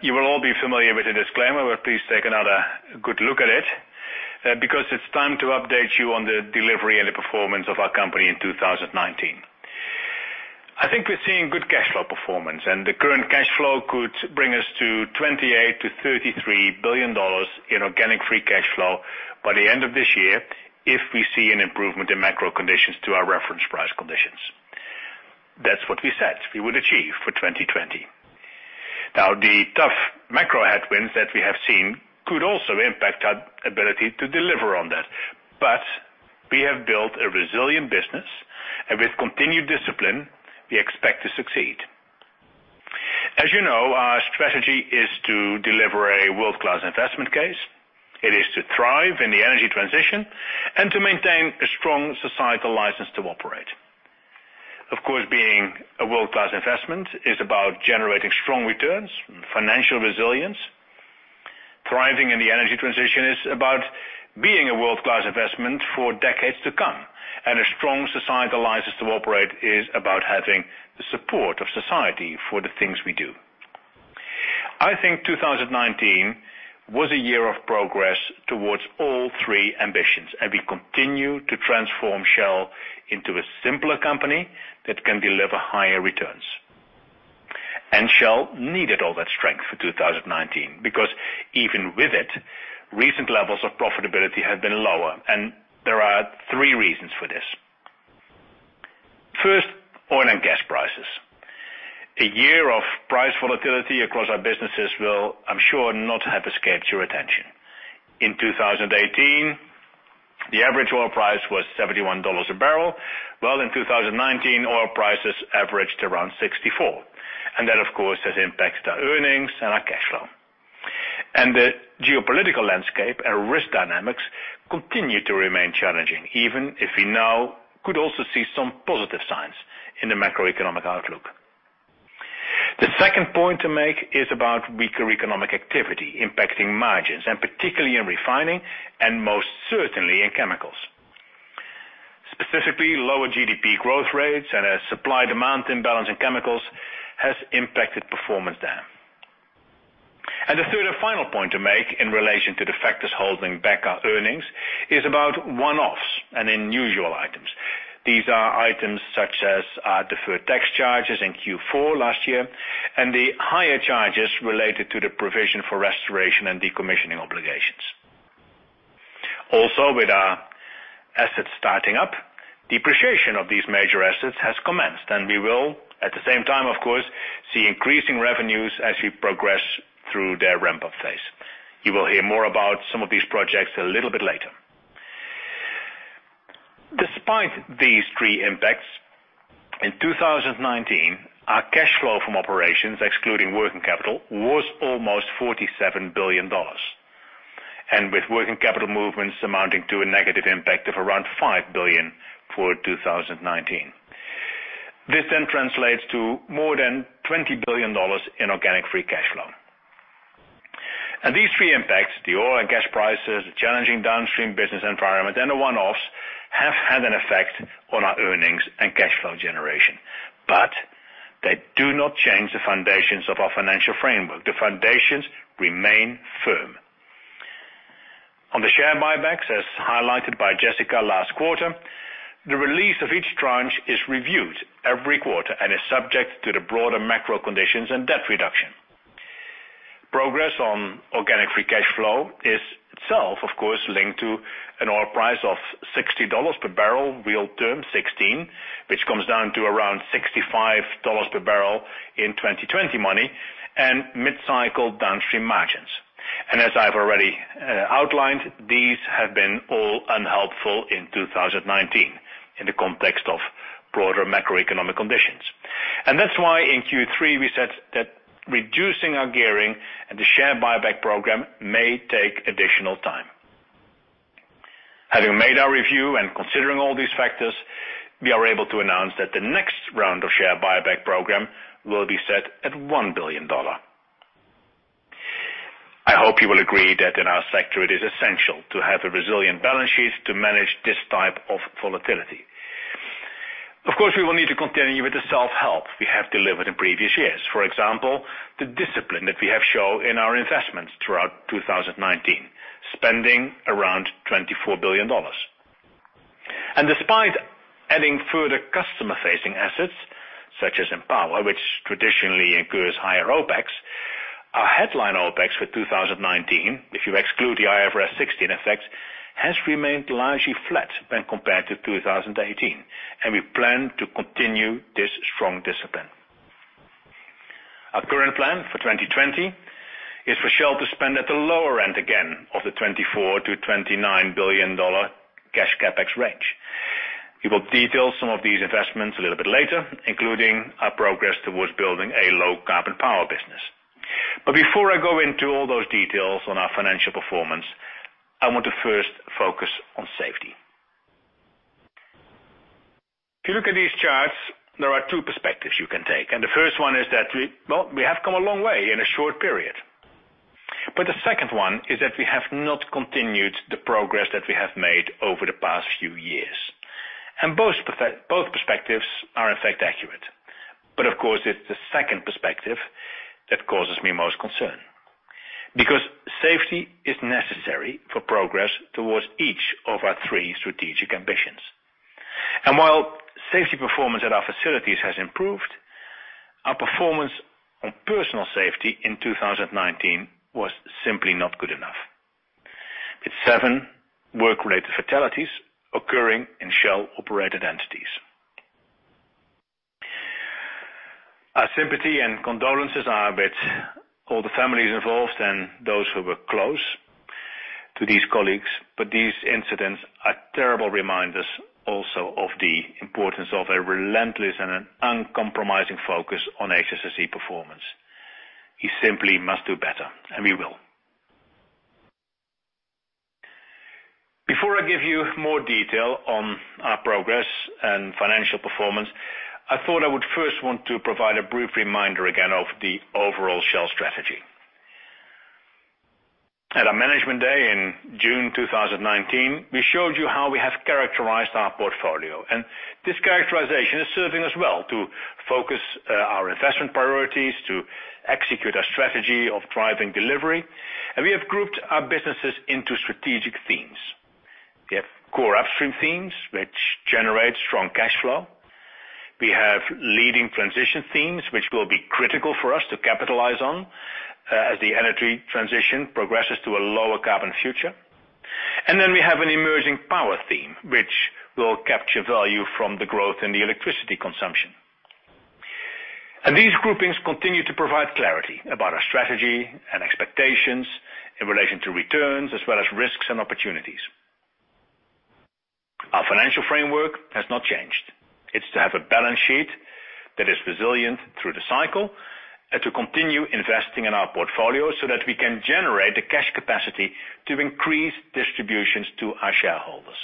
You will all be familiar with the disclaimer, but please take another good look at it because it's time to update you on the delivery and the performance of our company in 2019. I think we're seeing good cash flow performance, and the current cash flow could bring us to $28 billion to $33 billion in organic free cash flow by the end of this year if we see an improvement in macro conditions to our reference price conditions. That's what we said we would achieve for 2020. The tough macro headwinds that we have seen could also impact our ability to deliver on that. We have built a resilient business, and with continued discipline, we expect to succeed. As you know, our strategy is to deliver a world-class investment case. It is to thrive in the energy transition and to maintain a strong societal license to operate. Of course, being a world-class investment is about generating strong returns and financial resilience. Thriving in the energy transition is about being a world-class investment for decades to come. A strong societal license to operate is about having the support of society for the things we do. I think 2019 was a year of progress towards all three ambitions, and we continue to transform Shell into a simpler company that can deliver higher returns. Shell needed all that strength for 2019 because even with it, recent levels of profitability have been lower, and there are three reasons for this. First, oil and gas prices. A year of price volatility across our businesses will, I'm sure, not have escaped your attention. In 2018, the average oil price was $71 a barrel. Well, in 2019, oil prices averaged around $64, that, of course, has impacted our earnings and our cash flow. The geopolitical landscape and risk dynamics continue to remain challenging, even if we now could also see some positive signs in the macroeconomic outlook. The second point to make is about weaker economic activity impacting margins, and particularly in refining and most certainly in chemicals. Specifically, lower GDP growth rates and a supply-demand imbalance in chemicals has impacted performance there. The third and final point to make in relation to the factors holding back our earnings is about one-offs and unusual items. These are items such as our deferred tax charges in Q4 last year and the higher charges related to the provision for restoration and decommissioning obligations. With our assets starting up, depreciation of these major assets has commenced, and we will at the same time, of course, see increasing revenues as we progress through their ramp-up phase. You will hear more about some of these projects a little bit later. Despite these three impacts, in 2019, our cash flow from operations, excluding working capital, was almost $47 billion. With working capital movements amounting to a negative impact of around $5 billion for 2019. This translates to more than $20 billion in organic free cash flow. These three impacts, the oil and gas prices, the challenging downstream business environment, and the one-offs, have had an effect on our earnings and cash flow generation. They do not change the foundations of our financial framework. The foundations remain firm. On the share buybacks, as highlighted by Jessica last quarter, the release of each tranche is reviewed every quarter and is subject to the broader macro conditions and debt reduction. Progress on organic free cash flow is itself, of course, linked to an oil price of $60 per barrel, realterm 16, which comes down to around $65 per barrel in 2020 money and mid-cycle downstream margins. As I've already outlined, these have been all unhelpful in 2019 in the context of broader macroeconomic conditions. That's why in Q3 we said that reducing our gearing and the share buyback program may take additional time. Having made our review and considering all these factors, we are able to announce that the next round of share buyback program will be set at $1 billion. I hope you will agree that in our sector it is essential to have a resilient balance sheet to manage this type of volatility. Of course, we will need to continue with the self-help we have delivered in previous years. For example, the discipline that we have shown in our investments throughout 2019, spending around $24 billion. Despite adding further customer-facing assets such as Empowa, which traditionally incurs higher OPEX, our headline OPEX for 2019, if you exclude the IFRS 16 effect, has remained largely flat when compared to 2018, and we plan to continue this strong discipline. Our current plan for 2020 is for Shell to spend at the lower end again of the $24 billion-$29 billion cash CapEx range. We will detail some of these investments a little bit later, including our progress towards building a low-carbon power business. Before I go into all those details on our financial performance, I want to first focus on safety. If you look at these charts, there are two perspectives you can take, the first one is that we have come a long way in a short period. The second one is that we have not continued the progress that we have made over the past few years. Both perspectives are, in fact, accurate. Of course, it's the second perspective that causes me most concern. Safety is necessary for progress towards each of our three strategic ambitions. While safety performance at our facilities has improved, our performance on personal safety in 2019 was simply not good enough, with seven work-related fatalities occurring in Shell-operated entities. Our sympathy and condolences are with all the families involved and those who were close to these colleagues. These incidents are terrible reminders also of the importance of a relentless and an uncompromising focus on HSSE performance. We simply must do better, and we will. Before I give you more detail on our progress and financial performance, I thought I would first want to provide a brief reminder again of the overall Shell strategy. At our Management Day in June 2019, we showed you how we have characterized our portfolio, this characterization is serving us well to focus our investment priorities, to execute our strategy of driving delivery. We have grouped our businesses into strategic themes. We have core upstream themes, which generate strong cash flow. We have leading transition themes, which will be critical for us to capitalize on as the energy transition progresses to a lower carbon future. Then we have an emerging power theme, which will capture value from the growth in the electricity consumption. These groupings continue to provide clarity about our strategy and expectations in relation to returns as well as risks and opportunities. Our financial framework has not changed. It's to have a balance sheet that is resilient through the cycle and to continue investing in our portfolio so that we can generate the cash capacity to increase distributions to our shareholders.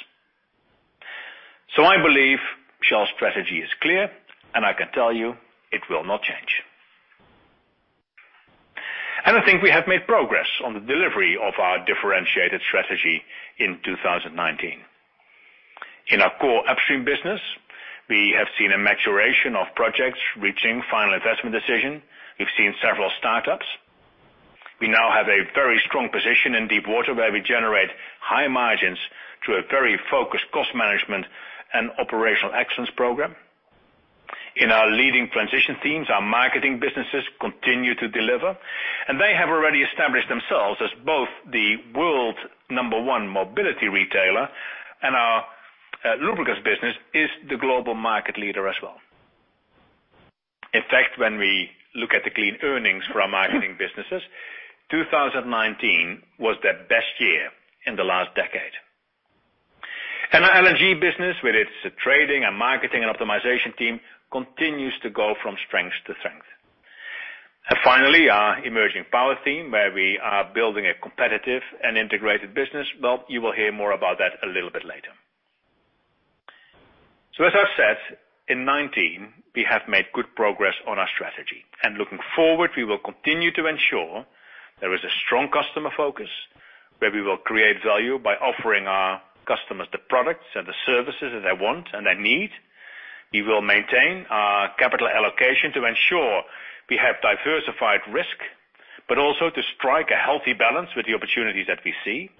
I believe Shell's strategy is clear, and I can tell you it will not change. I think we have made progress on the delivery of our differentiated strategy in 2019. In our core Upstream business, we have seen a maturation of projects reaching final investment decision. We've seen several startups. We now have a very strong position in deepwater, where we generate high margins through a very focused cost management and operational excellence program. In our leading transition themes, our marketing businesses continue to deliver. They have already established themselves as both the world number one mobility retailer and our lubricants business is the global market leader as well. In fact, when we look at the clean earnings for our marketing businesses, 2019 was their best year in the last decade. Our LNG business, with its trading and marketing and optimization team, continues to go from strength to strength. Finally, our emerging power theme, where we are building a competitive and integrated business, well, you will hear more about that a little bit later. As I've said, in 2019, we have made good progress on our strategy. Looking forward, we will continue to ensure there is a strong customer focus, where we will create value by offering our customers the products and the services that they want and they need. We will maintain our capital allocation to ensure we have diversified risk, but also to strike a healthy balance with the opportunities that we see.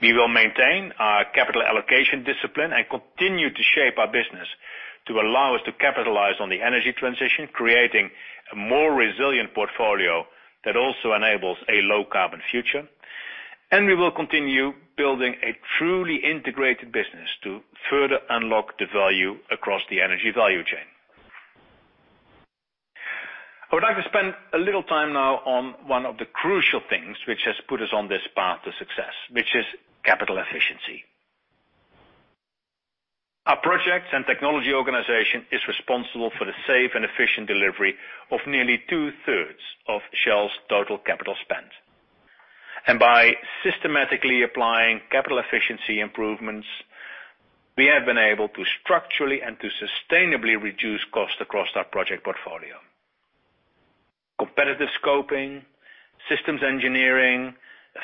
We will maintain our capital allocation discipline and continue to shape our business to allow us to capitalize on the energy transition, creating a more resilient portfolio that also enables a low carbon future. We will continue building a truly integrated business to further unlock the value across the energy value chain. I would like to spend a little time now on one of the crucial things which has put us on this path to success, which is capital efficiency. Our projects and technology organization is responsible for the safe and efficient delivery of nearly 2/3 of Shell's total capital spend. By systematically applying capital efficiency improvements, we have been able to structurally and to sustainably reduce costs across our project portfolio. Competitive scoping, systems engineering,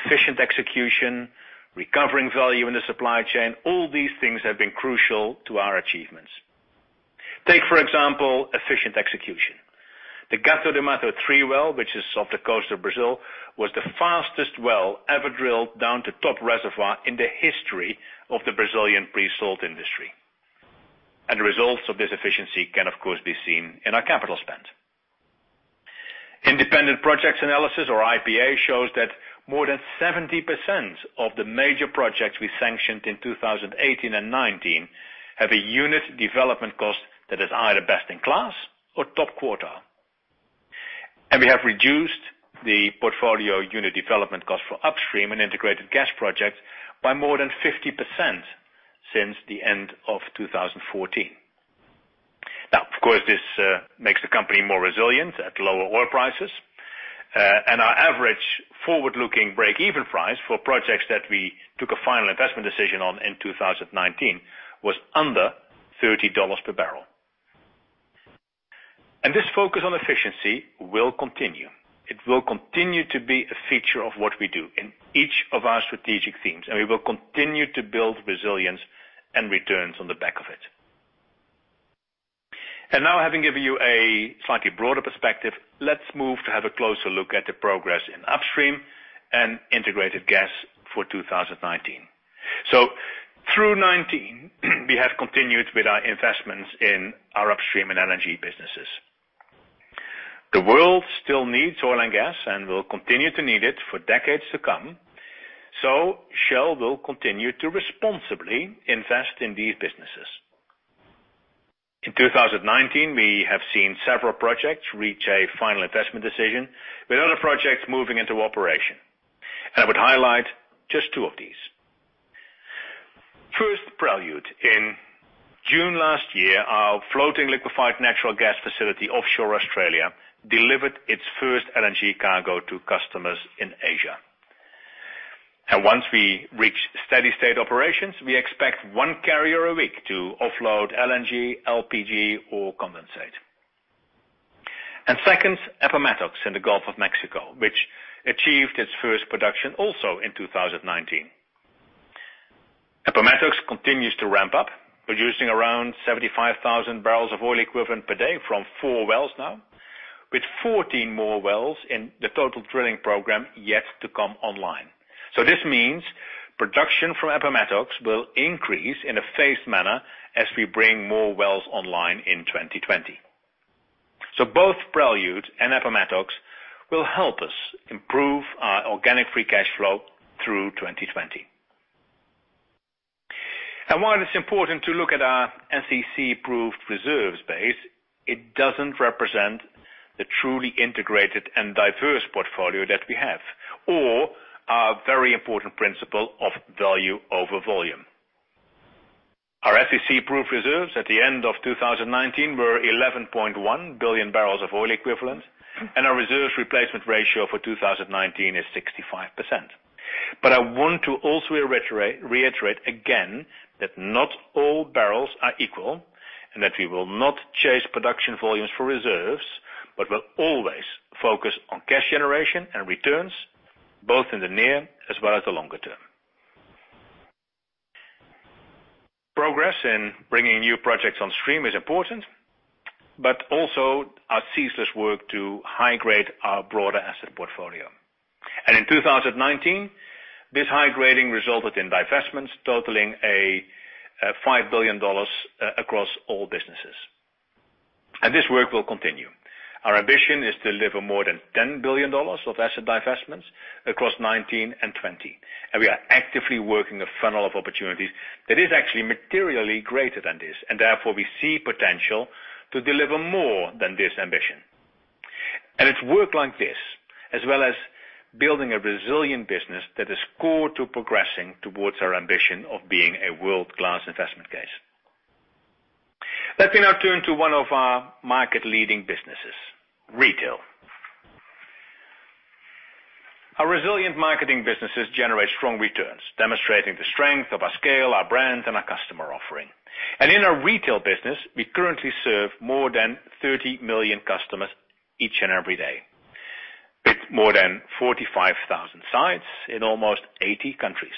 efficient execution, recovering value in the supply chain, all these things have been crucial to our achievements. Take, for example, efficient execution. The Gato do Mato-3 well, which is off the coast of Brazil, was the fastest well ever drilled down to top reservoir in the history of the Brazilian pre-salt industry. The results of this efficiency can, of course, be seen in our capital spend. Independent Projects Analysis or IPA shows that more than 70% of the major projects we sanctioned in 2018 and 2019 have a unit development cost that is either best in class or top quarter. We have reduced the portfolio unit development cost for upstream and integrated gas projects by more than 50% since the end of 2014. Of course, this makes the company more resilient at lower oil prices. Our average forward-looking break-even price for projects that we took a final investment decision on in 2019 was under $30 per barrel. This focus on efficiency will continue. It will continue to be a feature of what we do in each of our strategic themes, and we will continue to build resilience and returns on the back of it. Now, having given you a slightly broader perspective, let's move to have a closer look at the progress in upstream and integrated gas for 2019. Through 2019, we have continued with our investments in our upstream and LNG businesses. The world still needs oil and gas and will continue to need it for decades to come. Shell will continue to responsibly invest in these businesses. In 2019, we have seen several projects reach a final investment decision with other projects moving into operation. I would highlight just two of these. First, Prelude. In June last year, our floating liquefied natural gas facility offshore Australia delivered its first LNG cargo to customers in Asia. Once we reach steady state operations, we expect one carrier a week to offload LNG, LPG or condensate. Second, Appomattox in the Gulf of Mexico, which achieved its first production also in 2019. Appomattox continues to ramp up, producing around 75,000 barrels of oil equivalent per day from four wells now, with 14 more wells in the total drilling program yet to come online. This means production from Appomattox will increase in a phased manner as we bring more wells online in 2020. Both Prelude and Appomattox will help us improve our organic free cash flow through 2020. While it is important to look at our SEC proved reserves base, it doesn't represent the truly integrated and diverse portfolio that we have, or our very important principle of value over volume. Our SEC proved reserves at the end of 2019 were 11.1 billion barrels of oil equivalent, and our reserves replacement ratio for 2019 is 65%. I want to also reiterate again that not all barrels are equal and that we will not chase production volumes for reserves, but will always focus on cash generation and returns both in the near as well as the longer term. Progress in bringing new projects on stream is important, but also our ceaseless work to high-grade our broader asset portfolio. In 2019, this high-grading resulted in divestments totaling a $5 billion across all businesses. This work will continue. Our ambition is to deliver more than $10 billion of asset divestments across 2019 and 2020, and we are actively working a funnel of opportunities that is actually materially greater than this. Therefore, we see potential to deliver more than this ambition. It's work like this, as well as building a resilient business that is core to progressing towards our ambition of being a world-class investment case. Let me now turn to one of our market-leading businesses, retail. Our resilient marketing businesses generate strong returns, demonstrating the strength of our scale, our brands, and our customer offering. In our retail business, we currently serve more than 30 million customers each and every day with more than 45,000 sites in almost 80 countries.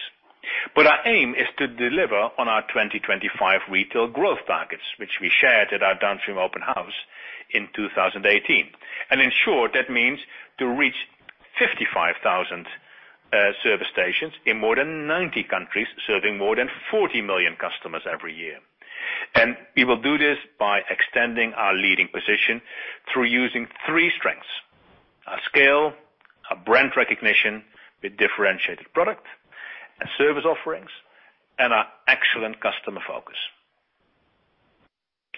Our aim is to deliver on our 2025 retail growth targets, which we shared at our Downstream Open House in 2018. In short, that means to reach 55,000 service stations in more than 90 countries, serving more than 40 million customers every year. We will do this by extending our leading position through using three strengths, our scale, our brand recognition with differentiated product and service offerings, and our excellent customer focus.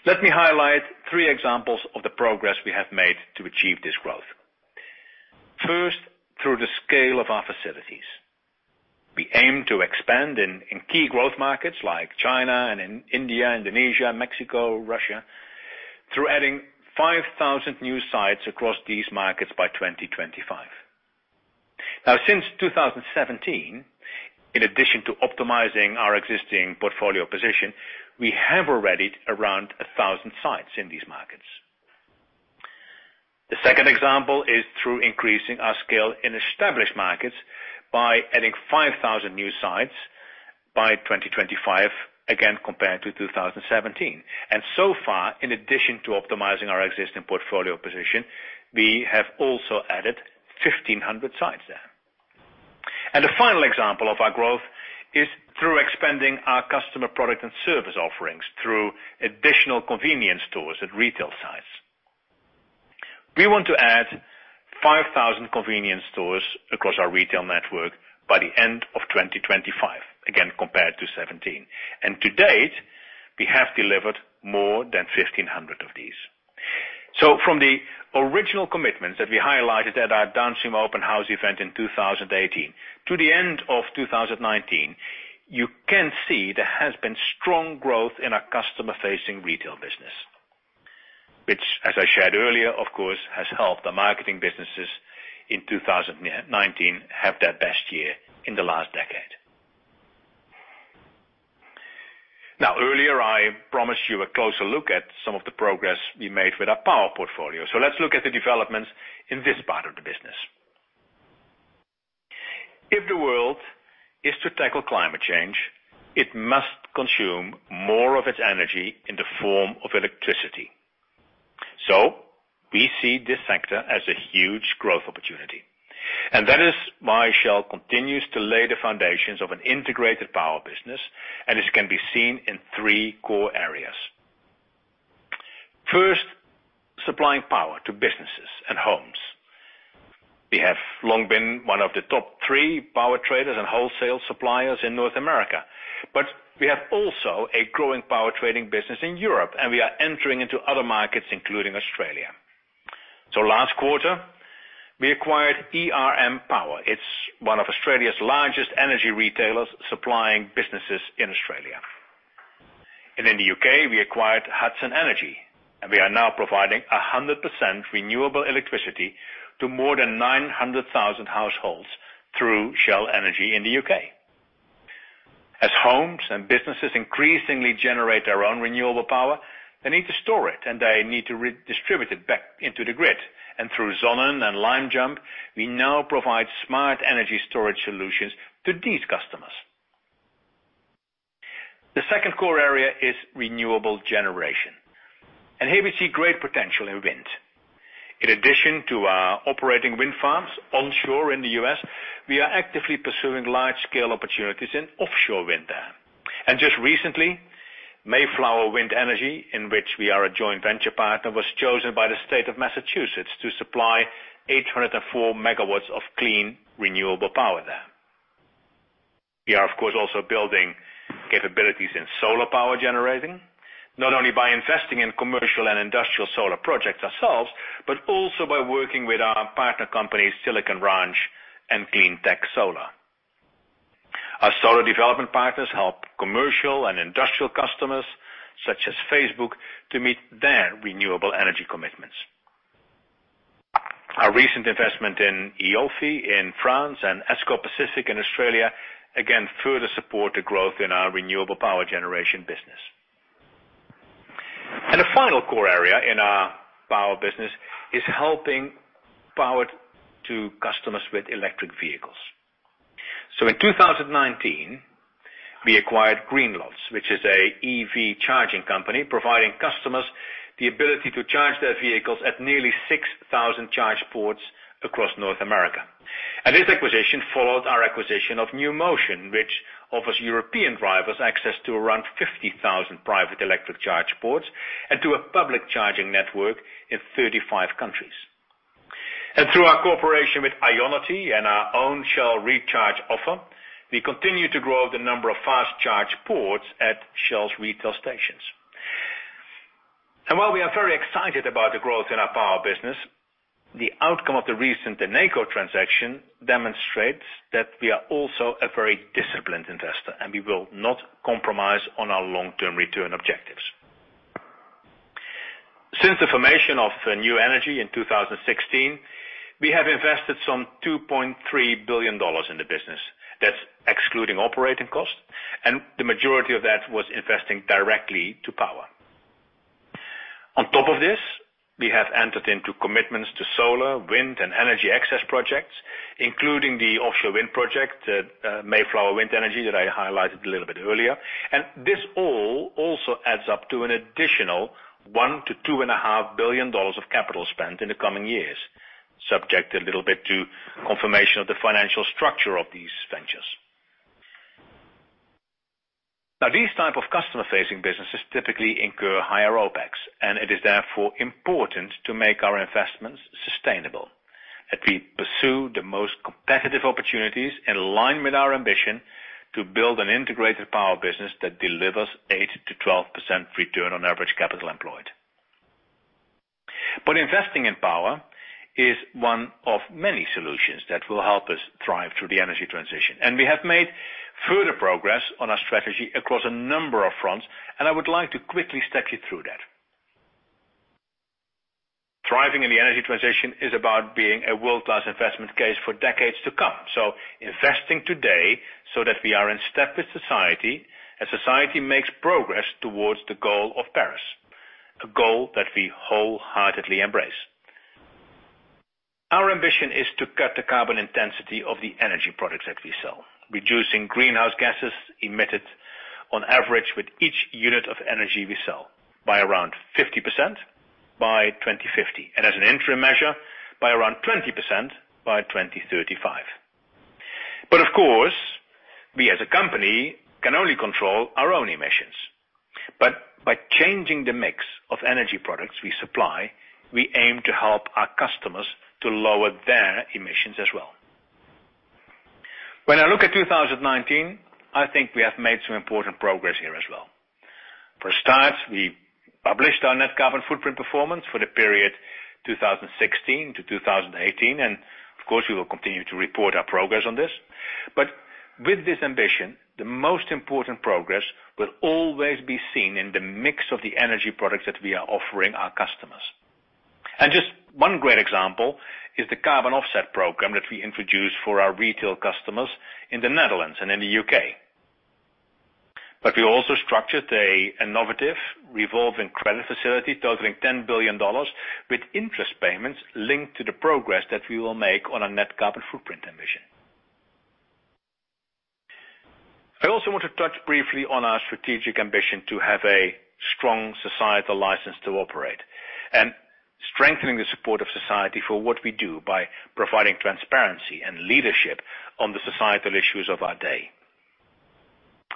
Let me highlight three examples of the progress we have made to achieve this growth. First, through the scale of our facilities. We aim to expand in key growth markets like China and in India, Indonesia, Mexico, Russia, through adding 5,000 new sites across these markets by 2025. Now since 2017, in addition to optimizing our existing portfolio position, we have already around 1,000 sites in these markets. The second example is through increasing our scale in established markets by adding 5,000 new sites by 2025, again compared to 2017. So far, in addition to optimizing our existing portfolio position, we have also added 1,500 sites there. The final example of our growth is through expanding our customer product and service offerings through additional convenience stores at retail sites. We want to add 5,000 convenience stores across our retail network by the end of 2025, again compared to 2017. To date, we have delivered more than 1,500 of these. From the original commitments that we highlighted at our Downstream Open House event in 2018 to the end of 2019, you can see there has been strong growth in our customer-facing retail business, which as I shared earlier, of course, has helped the marketing businesses in 2019 have their best year in the last decade. Earlier I promised you a closer look at some of the progress we made with our power portfolio. Let's look at the developments in this part of the business. If the world is to tackle climate change, it must consume more of its energy in the form of electricity. We see this sector as a huge growth opportunity, and that is why Shell continues to lay the foundations of an integrated power business, and this can be seen in three core areas. First, supplying power to businesses and homes. We have long been one of the top three power traders and wholesale suppliers in North America. We have also a growing power trading business in Europe. We are entering into other markets, including Australia. Last quarter, we acquired ERM Power. It's one of Australia's largest energy retailers supplying businesses in Australia. In the U.K., we acquired Hudson Energy. We are now providing 100% renewable electricity to more than 900,000 households through Shell Energy in the U.K. As homes and businesses increasingly generate their own renewable power, they need to store it. They need to redistribute it back into the grid. Through sonnen and Limejump, we now provide smart energy storage solutions to these customers. The second core area is renewable generation. Here we see great potential in wind. In addition to our operating wind farms onshore in the U.S., we are actively pursuing large-scale opportunities in offshore wind there. Just recently, Mayflower Wind Energy, in which we are a joint venture partner, was chosen by the state of Massachusetts to supply 804 MW of clean, renewable power there. We are, of course, also building capabilities in solar power generating, not only by investing in commercial and industrial solar projects ourselves, but also by working with our partner companies, Silicon Ranch and Cleantech Solar. Our solar development partners help commercial and industrial customers, such as Facebook, to meet their renewable energy commitments. Our recent investment in EOLFI in France and ESCO Pacific in Australia, again, further support the growth in our renewable power generation business. A final core area in our power business is helping power to customers with electric vehicles. In 2019, we acquired Greenlots, which is a EV charging company providing customers the ability to charge their vehicles at nearly 6,000 charge ports across North America. This acquisition followed our acquisition of NewMotion, which offers European drivers access to around 50,000 private electric charge ports and to a public charging network in 35 countries. Through our cooperation with Ionity and our own Shell Recharge offer, we continue to grow the number of fast charge ports at Shell's retail stations. While we are very excited about the growth in our power business, the outcome of the recent Eneco transaction demonstrates that we are also a very disciplined investor, and we will not compromise on our long-term return objectives. Since the formation of New Energies in 2016, we have invested some $2.3 billion in the business. That's excluding operating costs. The majority of that was investing directly to power. On top of this, we have entered into commitments to solar, wind, and energy access projects, including the offshore wind project, Mayflower Wind Energy, that I highlighted a little bit earlier. This all also adds up to an additional $1 billion-$2.5 billion of capital spend in the coming years, subject a little bit to confirmation of the financial structure of these ventures. Now, these type of customer-facing businesses typically incur higher OPEX. It is therefore important to make our investments sustainable. That we pursue the most competitive opportunities in line with our ambition to build an integrated power business that delivers 8%-12% return on average capital employed. Investing in power is one of many solutions that will help us thrive through the energy transition. We have made further progress on our strategy across a number of fronts, and I would like to quickly step you through that. Thriving in the energy transition is about being a world-class investment case for decades to come. Investing today so that we are in step with society, as society makes progress towards the goal of Paris, a goal that we wholeheartedly embrace. Our ambition is to cut the carbon intensity of the energy products that we sell, reducing greenhouse gases emitted on average with each unit of energy we sell by around 50% by 2050, and as an interim measure, by around 20% by 2035. Of course, we as a company can only control our own emissions. By changing the mix of energy products we supply, we aim to help our customers to lower their emissions as well. When I look at 2019, I think we have made some important progress here as well. For a start, we published our net carbon footprint performance for the period 2016 to 2018, and of course, we will continue to report our progress on this. With this ambition, the most important progress will always be seen in the mix of the energy products that we are offering our customers. Just one great example is the carbon offset program that we introduced for our retail customers in the Netherlands and in the U.K. We also structured a innovative revolving credit facility totaling $10 billion with interest payments linked to the progress that we will make on our net carbon footprint ambition. I also want to touch briefly on our strategic ambition to have a strong societal license to operate, strengthening the support of society for what we do by providing transparency and leadership on the societal issues of our day.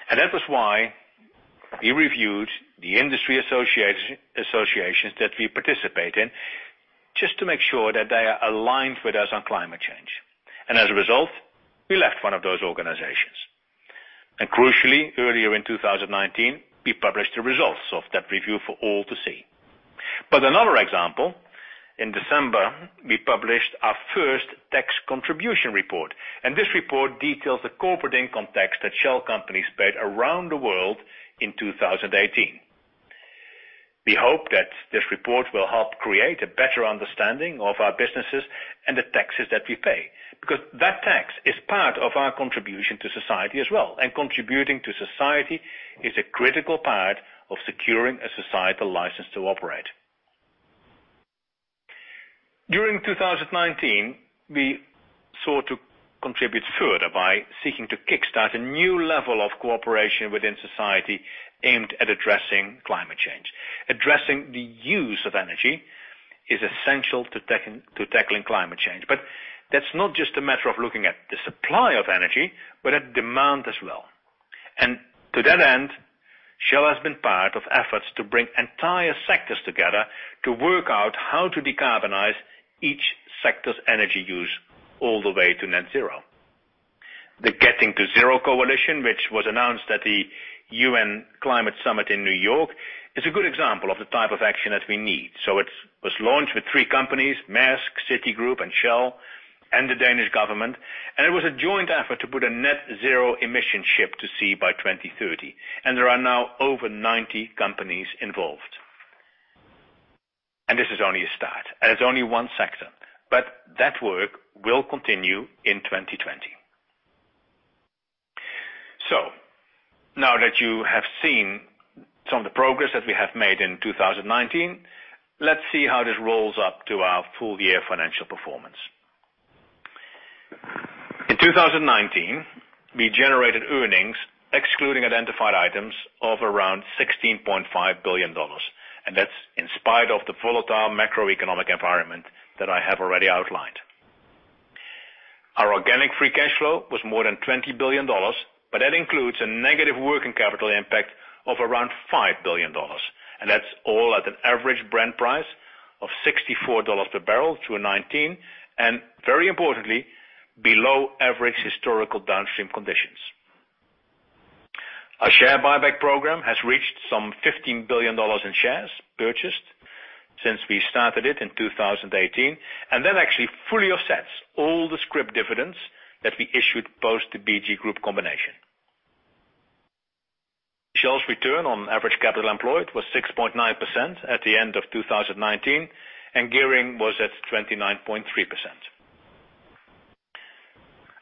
That was why we reviewed the industry associations that we participate in, just to make sure that they are aligned with us on climate change. As a result, we left one of those organizations. Crucially, earlier in 2019, we published the results of that review for all to see. Another example, in December, we published our first tax contribution report. This report details the corporate income tax that Shell companies paid around the world in 2018. We hope that this report will help create a better understanding of our businesses and the taxes that we pay, because that tax is part of our contribution to society as well. Contributing to society is a critical part of securing a societal license to operate. During 2019, we sought to contribute further by seeking to kickstart a new level of cooperation within society aimed at addressing climate change. Addressing the use of energy is essential to tackling climate change. That's not just a matter of looking at the supply of energy, but at demand as well. To that end, Shell has been part of efforts to bring entire sectors together to work out how to decarbonize each sector's energy use all the way to net zero. The Getting to Zero Coalition, which was announced at the UN Climate Action Summit in New York, is a good example of the type of action that we need. It was launched with three companies, Maersk, Citigroup, and Shell, and the Danish government. It was a joint effort to put a net-zero emission ship to sea by 2030. There are now over 90 companies involved. This is only a start, and it's only one sector. That work will continue in 2020. Now that you have seen some of the progress that we have made in 2019, let's see how this rolls up to our full year financial performance. In 2019, we generated earnings excluding identified items of around $16.5 billion. That's in spite of the volatile macroeconomic environment that I have already outlined. Our organic free cash flow was more than $20 billion. That includes a negative working capital impact of around $5 billion. That's all at an average Brent price of $64 per barrel through 2019, and very importantly, below average historical downstream conditions. Our share buyback program has reached some $15 billion in shares purchased since we started it in 2018, and that actually fully offsets all the scrip dividends that we issued post the BG Group combination. Shell's return on average capital employed was 6.9% at the end of 2019, and gearing was at 29.3%.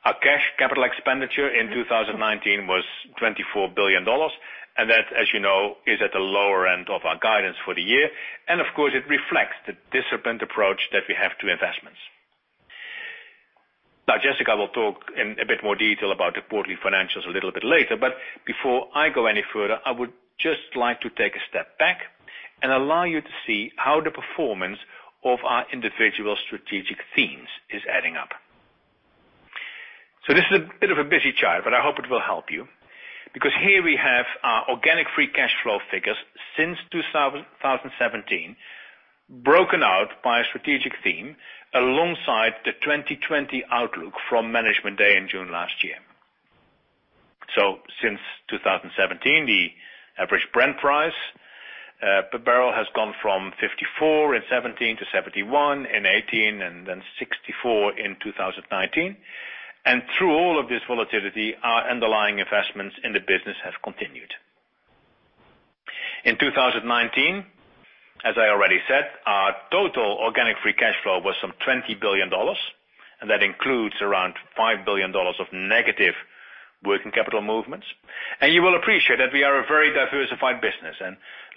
Our cash capital expenditure in 2019 was $24 billion. That, as you know, is at the lower end of our guidance for the year. Of course it reflects the disciplined approach that we have to investments. Jessica will talk in a bit more detail about the quarterly financials a little bit later, before I go any further, I would just like to take a step back and allow you to see how the performance of our individual strategic themes is adding up. This is a bit of a busy chart, I hope it will help you, because here we have our organic free cash flow figures since 2017, broken out by strategic theme alongside the 2020 outlook from Management Day in June last year. Since 2017, the average Brent price per barrel has gone from $54 in 2017 to $71 in 2018, $64 in 2019. Through all of this volatility, our underlying investments in the business have continued. In 2019, as I already said, our total organic free cash flow was some $20 billion. That includes around $5 billion of negative working capital movements. You will appreciate that we are a very diversified business.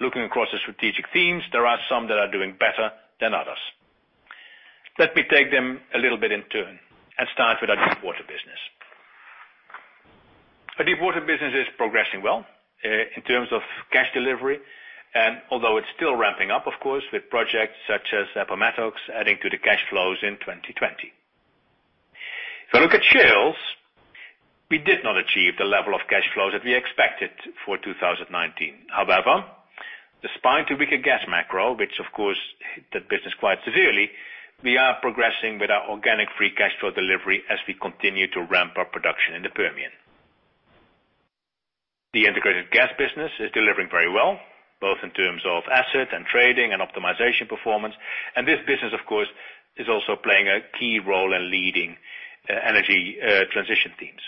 Looking across the strategic themes, there are some that are doing better than others. Let me take them a little bit in turn and start with our Deep Water business. Our Deep Water business is progressing well in terms of cash delivery, and although it's still ramping up, of course, with projects such as Appomattox adding to the cash flows in 2020. If I look at Shales, we did not achieve the level of cash flows that we expected for 2019. However, despite a weaker gas macro, which of course hit the business quite severely, we are progressing with our organic free cash flow delivery as we continue to ramp up production in the Permian. The Integrated Gas business is delivering very well, both in terms of asset and trading and optimization performance. This business, of course, is also playing a key role in leading energy transition themes.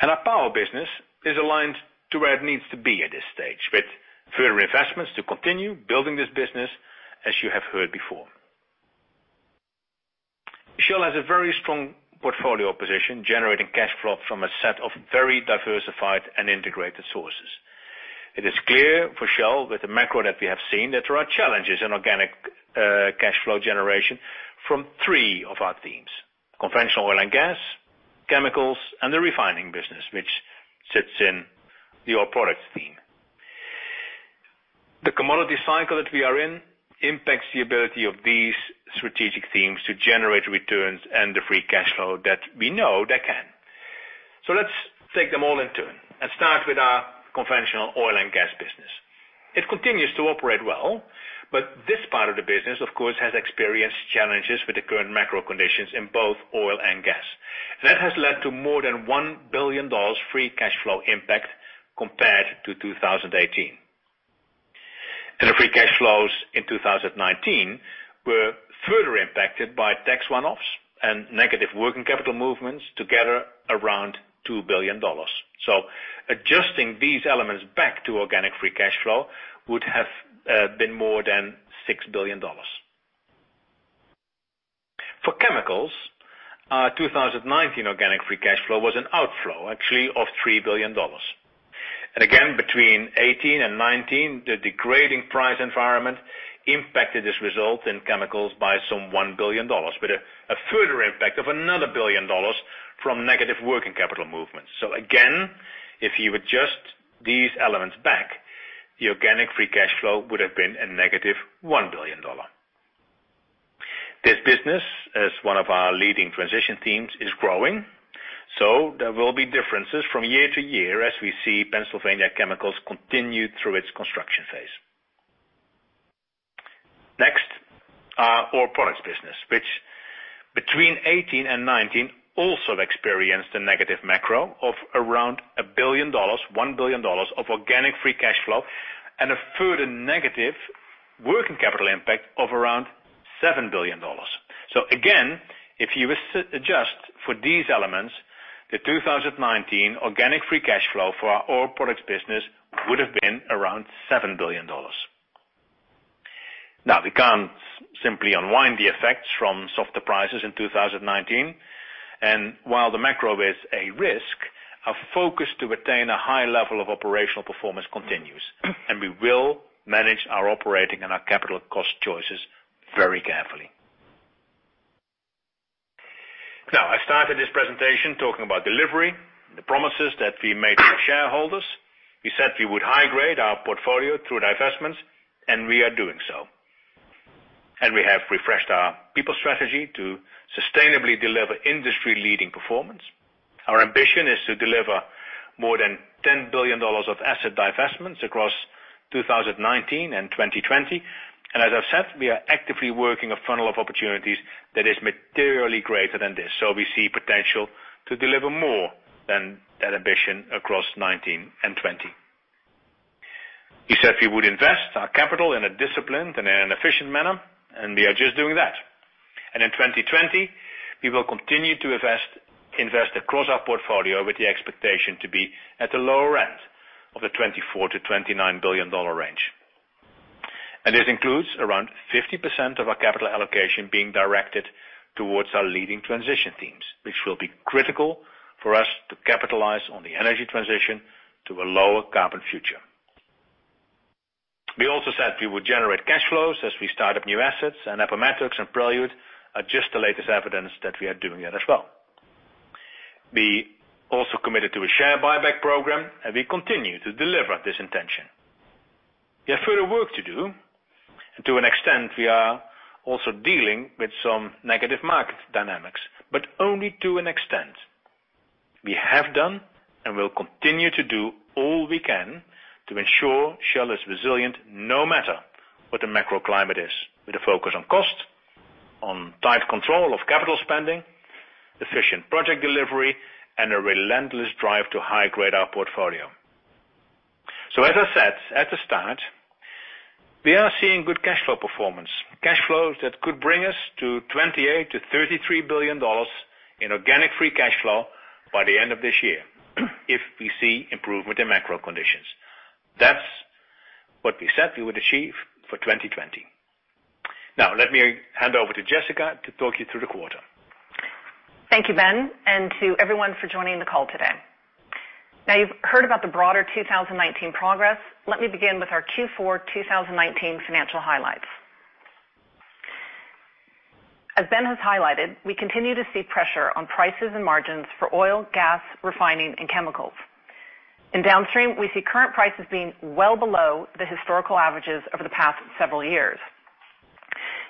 Our power business is aligned to where it needs to be at this stage, with further investments to continue building this business, as you have heard before. Shell has a very strong portfolio position, generating cash flow from a set of very diversified and integrated sources. It is clear for Shell, with the macro that we have seen, that there are challenges in organic cash flow generation from three of our teams: conventional oil and gas, chemicals, and the refining business, which sits in the oil products team. The commodity cycle that we are in impacts the ability of these strategic teams to generate returns and the free cash flow that we know they can. Let's take them all in turn and start with our conventional oil and gas business. It continues to operate well, this part of the business, of course, has experienced challenges with the current macro conditions in both oil and gas. That has led to more than $1 billion free cash flow impact compared to 2018. The free cash flows in 2019 were further impacted by tax one-offs and negative working capital movements, together around $2 billion. Adjusting these elements back to organic free cash flow would have been more than $6 billion. For chemicals, our 2019 organic free cash flow was an outflow, actually, of $3 billion. Again, between 2018 and 2019, the degrading price environment impacted this result in chemicals by some $1 billion, with a further impact of another $1 billion from negative working capital movements. Again, if you adjust these elements back, the organic free cash flow would have been a negative $1 billion. This business, as one of our leading transition teams, is growing. There will be differences from year to year as we see Pennsylvania Chemicals continue through its construction phase. Our oil products business, which between 2018 and 2019 also experienced a negative macro of around $1 billion of organic free cash flow, and a further negative working capital impact of around $7 billion. Again, if you adjust for these elements, the 2019 organic free cash flow for our oil products business would have been around $7 billion. We can't simply unwind the effects from softer prices in 2019. While the macro is a risk, our focus to attain a high level of operational performance continues. We will manage our operating and our capital cost choices very carefully. I started this presentation talking about delivery and the promises that we made to our shareholders. We said we would high-grade our portfolio through divestments, and we are doing so. We have refreshed our people strategy to sustainably deliver industry-leading performance. Our ambition is to deliver more than $10 billion of asset divestments across 2019 and 2020. As I've said, we are actively working a funnel of opportunities that is materially greater than this. We see potential to deliver more than that ambition across 2019 and 2020. We said we would invest our capital in a disciplined and in an efficient manner. We are just doing that. In 2020, we will continue to invest across our portfolio with the expectation to be at the lower end of the $24 billion-$29 billion range. This includes around 50% of our capital allocation being directed towards our leading transition teams, which will be critical for us to capitalize on the energy transition to a lower carbon future. We also said we would generate cash flows as we start up new assets. Appomattox and Prelude are just the latest evidence that we are doing it as well. We also committed to a share buyback program. We continue to deliver this intention. We have further work to do, and to an extent, we are also dealing with some negative market dynamics, but only to an extent. We have done and will continue to do all we can to ensure Shell is resilient no matter what the macro climate is, with a focus on cost, on tight control of capital spending, efficient project delivery, and a relentless drive to high-grade our portfolio. As I said at the start, we are seeing good cash flow performance, cash flows that could bring us to $28 billion-$33 billion in organic free cash flow by the end of this year if we see improvement in macro conditions. That's what we said we would achieve for 2020. Now, let me hand over to Jessica to talk you through the quarter. Thank you, Ben, and to everyone for joining the call today. You've heard about the broader 2019 progress. Let me begin with our Q4 2019 financial highlights. As Ben has highlighted, we continue to see pressure on prices and margins for oil, gas, refining, and chemicals. In Downstream, we see current prices being well below the historical averages over the past several years.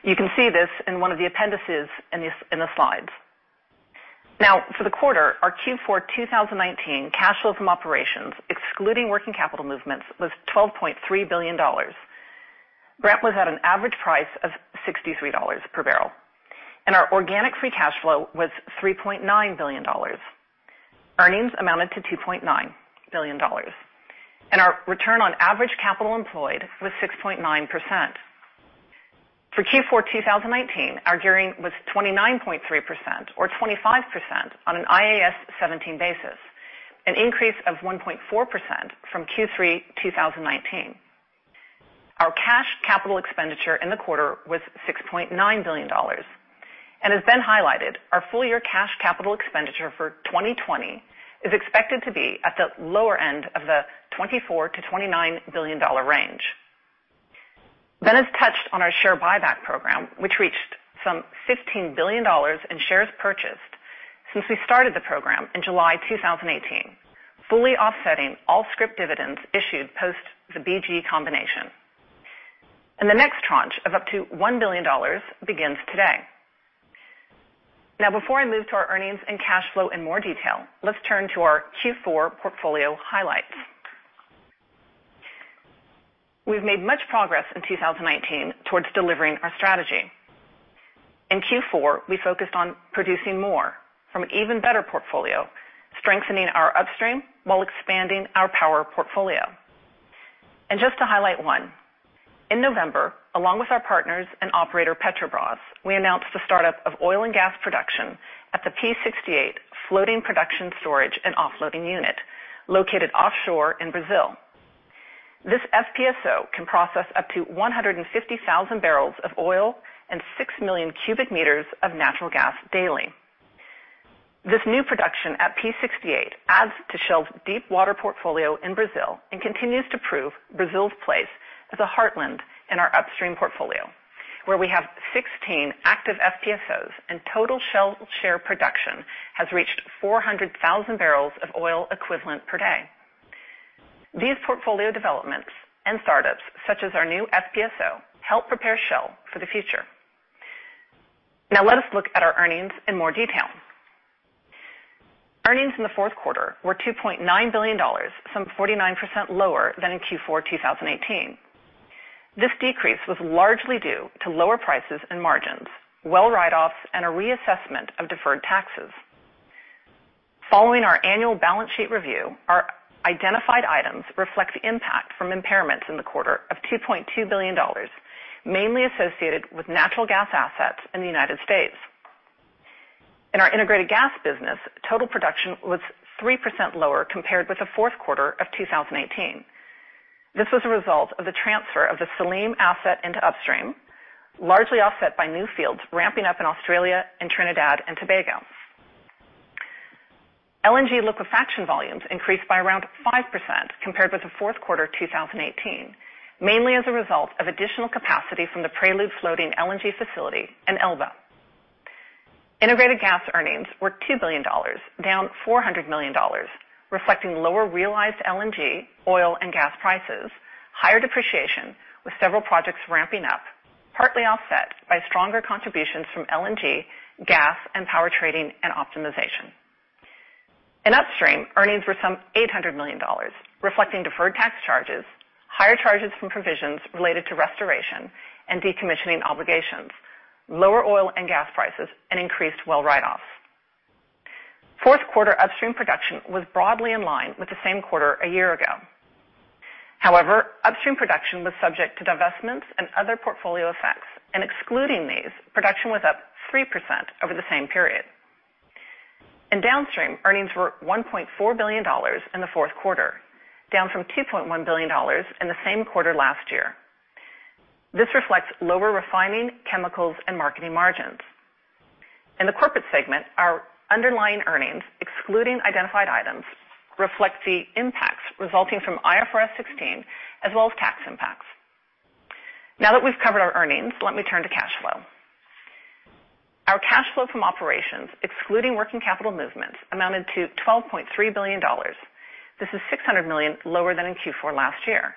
You can see this in one of the appendices in the slides. For the quarter, our Q4 2019 cash flow from operations, excluding working capital movements, was $12.3 billion. Brent was at an average price of $63 per barrel. Our organic free cash flow was $3.9 billion. Earnings amounted to $2.9 billion. Our return on average capital employed was 6.9%. For Q4 2019, our gearing was 29.3% or 25% on an IAS 17 basis, an increase of 1.4% from Q3 2019. Our cash capital expenditure in the quarter was $6.9 billion. As Ben highlighted, our full-year cash capital expenditure for 2020 is expected to be at the lower end of the $24 billion-$29 billion range. Ben has touched on our share buyback program, which reached some $15 billion in shares purchased since we started the program in July 2018, fully offsetting all script dividends issued post the BG combination. The next tranche of up to $1 billion begins today. Now, before I move to our earnings and cash flow in more detail, let's turn to our Q4 portfolio highlights. We've made much progress in 2019 towards delivering our strategy. In Q4, we focused on producing more from an even better portfolio, strengthening our upstream while expanding our power portfolio. Just to highlight one, in November, along with our partners and operator Petrobras, we announced the startup of oil and gas production at the P-68 floating production storage and offloading unit located offshore in Brazil. This FPSO can process up to 150,000 barrels of oil and 6 million cubic meters of natural gas daily. This new production at P-68 adds to Shell's deep water portfolio in Brazil and continues to prove Brazil's place as a heartland in our upstream portfolio, where we have 16 active FPSOs and total Shell share production has reached 400,000 barrels of oil equivalent per day. These portfolio developments and startups, such as our new FPSO, help prepare Shell for the future. Now let us look at our earnings in more detail. Earnings in the fourth quarter were $2.9 billion, some 49% lower than in Q4 2018. This decrease was largely due to lower prices and margins, well write-offs, and a reassessment of deferred taxes. Following our annual balance sheet review, our identified items reflect the impact from impairments in the quarter of $2.2 billion, mainly associated with natural gas assets in the U.S. In our integrated gas business, total production was 3% lower compared with the fourth quarter of 2018. This was a result of the transfer of the Salym asset into upstream, largely offset by new fields ramping up in Australia and Trinidad and Tobago. LNG liquefaction volumes increased by around 5% compared with the fourth quarter 2018, mainly as a result of additional capacity from the Prelude floating LNG facility and Elba. Integrated gas earnings were $2 billion, down $400 million, reflecting lower realized LNG, oil, and gas prices, higher depreciation with several projects ramping up, partly offset by stronger contributions from LNG, gas, and power trading and optimization. In upstream, earnings were some $800 million, reflecting deferred tax charges, higher charges from provisions related to restoration and decommissioning obligations, lower oil and gas prices, and increased well write-offs. Fourth quarter upstream production was broadly in line with the same quarter a year ago. However, upstream production was subject to divestments and other portfolio effects, and excluding these, production was up 3% over the same period. In downstream, earnings were $1.4 billion in the fourth quarter, down from $2.1 billion in the same quarter last year. This reflects lower refining, chemicals, and marketing margins. In the corporate segment, our underlying earnings, excluding identified items, reflect the impacts resulting from IFRS 16 as well as tax impacts. Now that we've covered our earnings, let me turn to cash flow. Our cash flow from operations, excluding working capital movements, amounted to $12.3 billion. This is $600 million lower than in Q4 last year.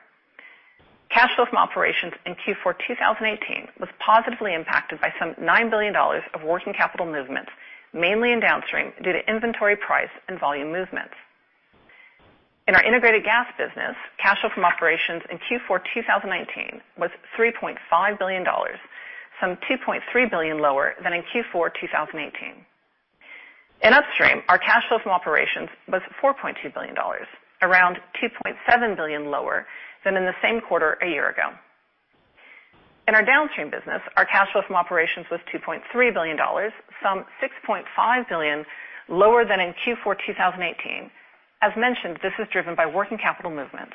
Cash flow from operations in Q4 2018 was positively impacted by some $9 billion of working capital movements, mainly in Downstream, due to inventory price and volume movements. In our Integrated Gas business, cash flow from operations in Q4 2019 was $3.5 billion, some $2.3 billion lower than in Q4 2018. In Upstream, our cash flow from operations was $4.2 billion, around $2.7 billion lower than in the same quarter a year ago. In our Downstream business, our cash flow from operations was $2.3 billion, some $6.5 billion lower than in Q4 2018. As mentioned, this is driven by working capital movements.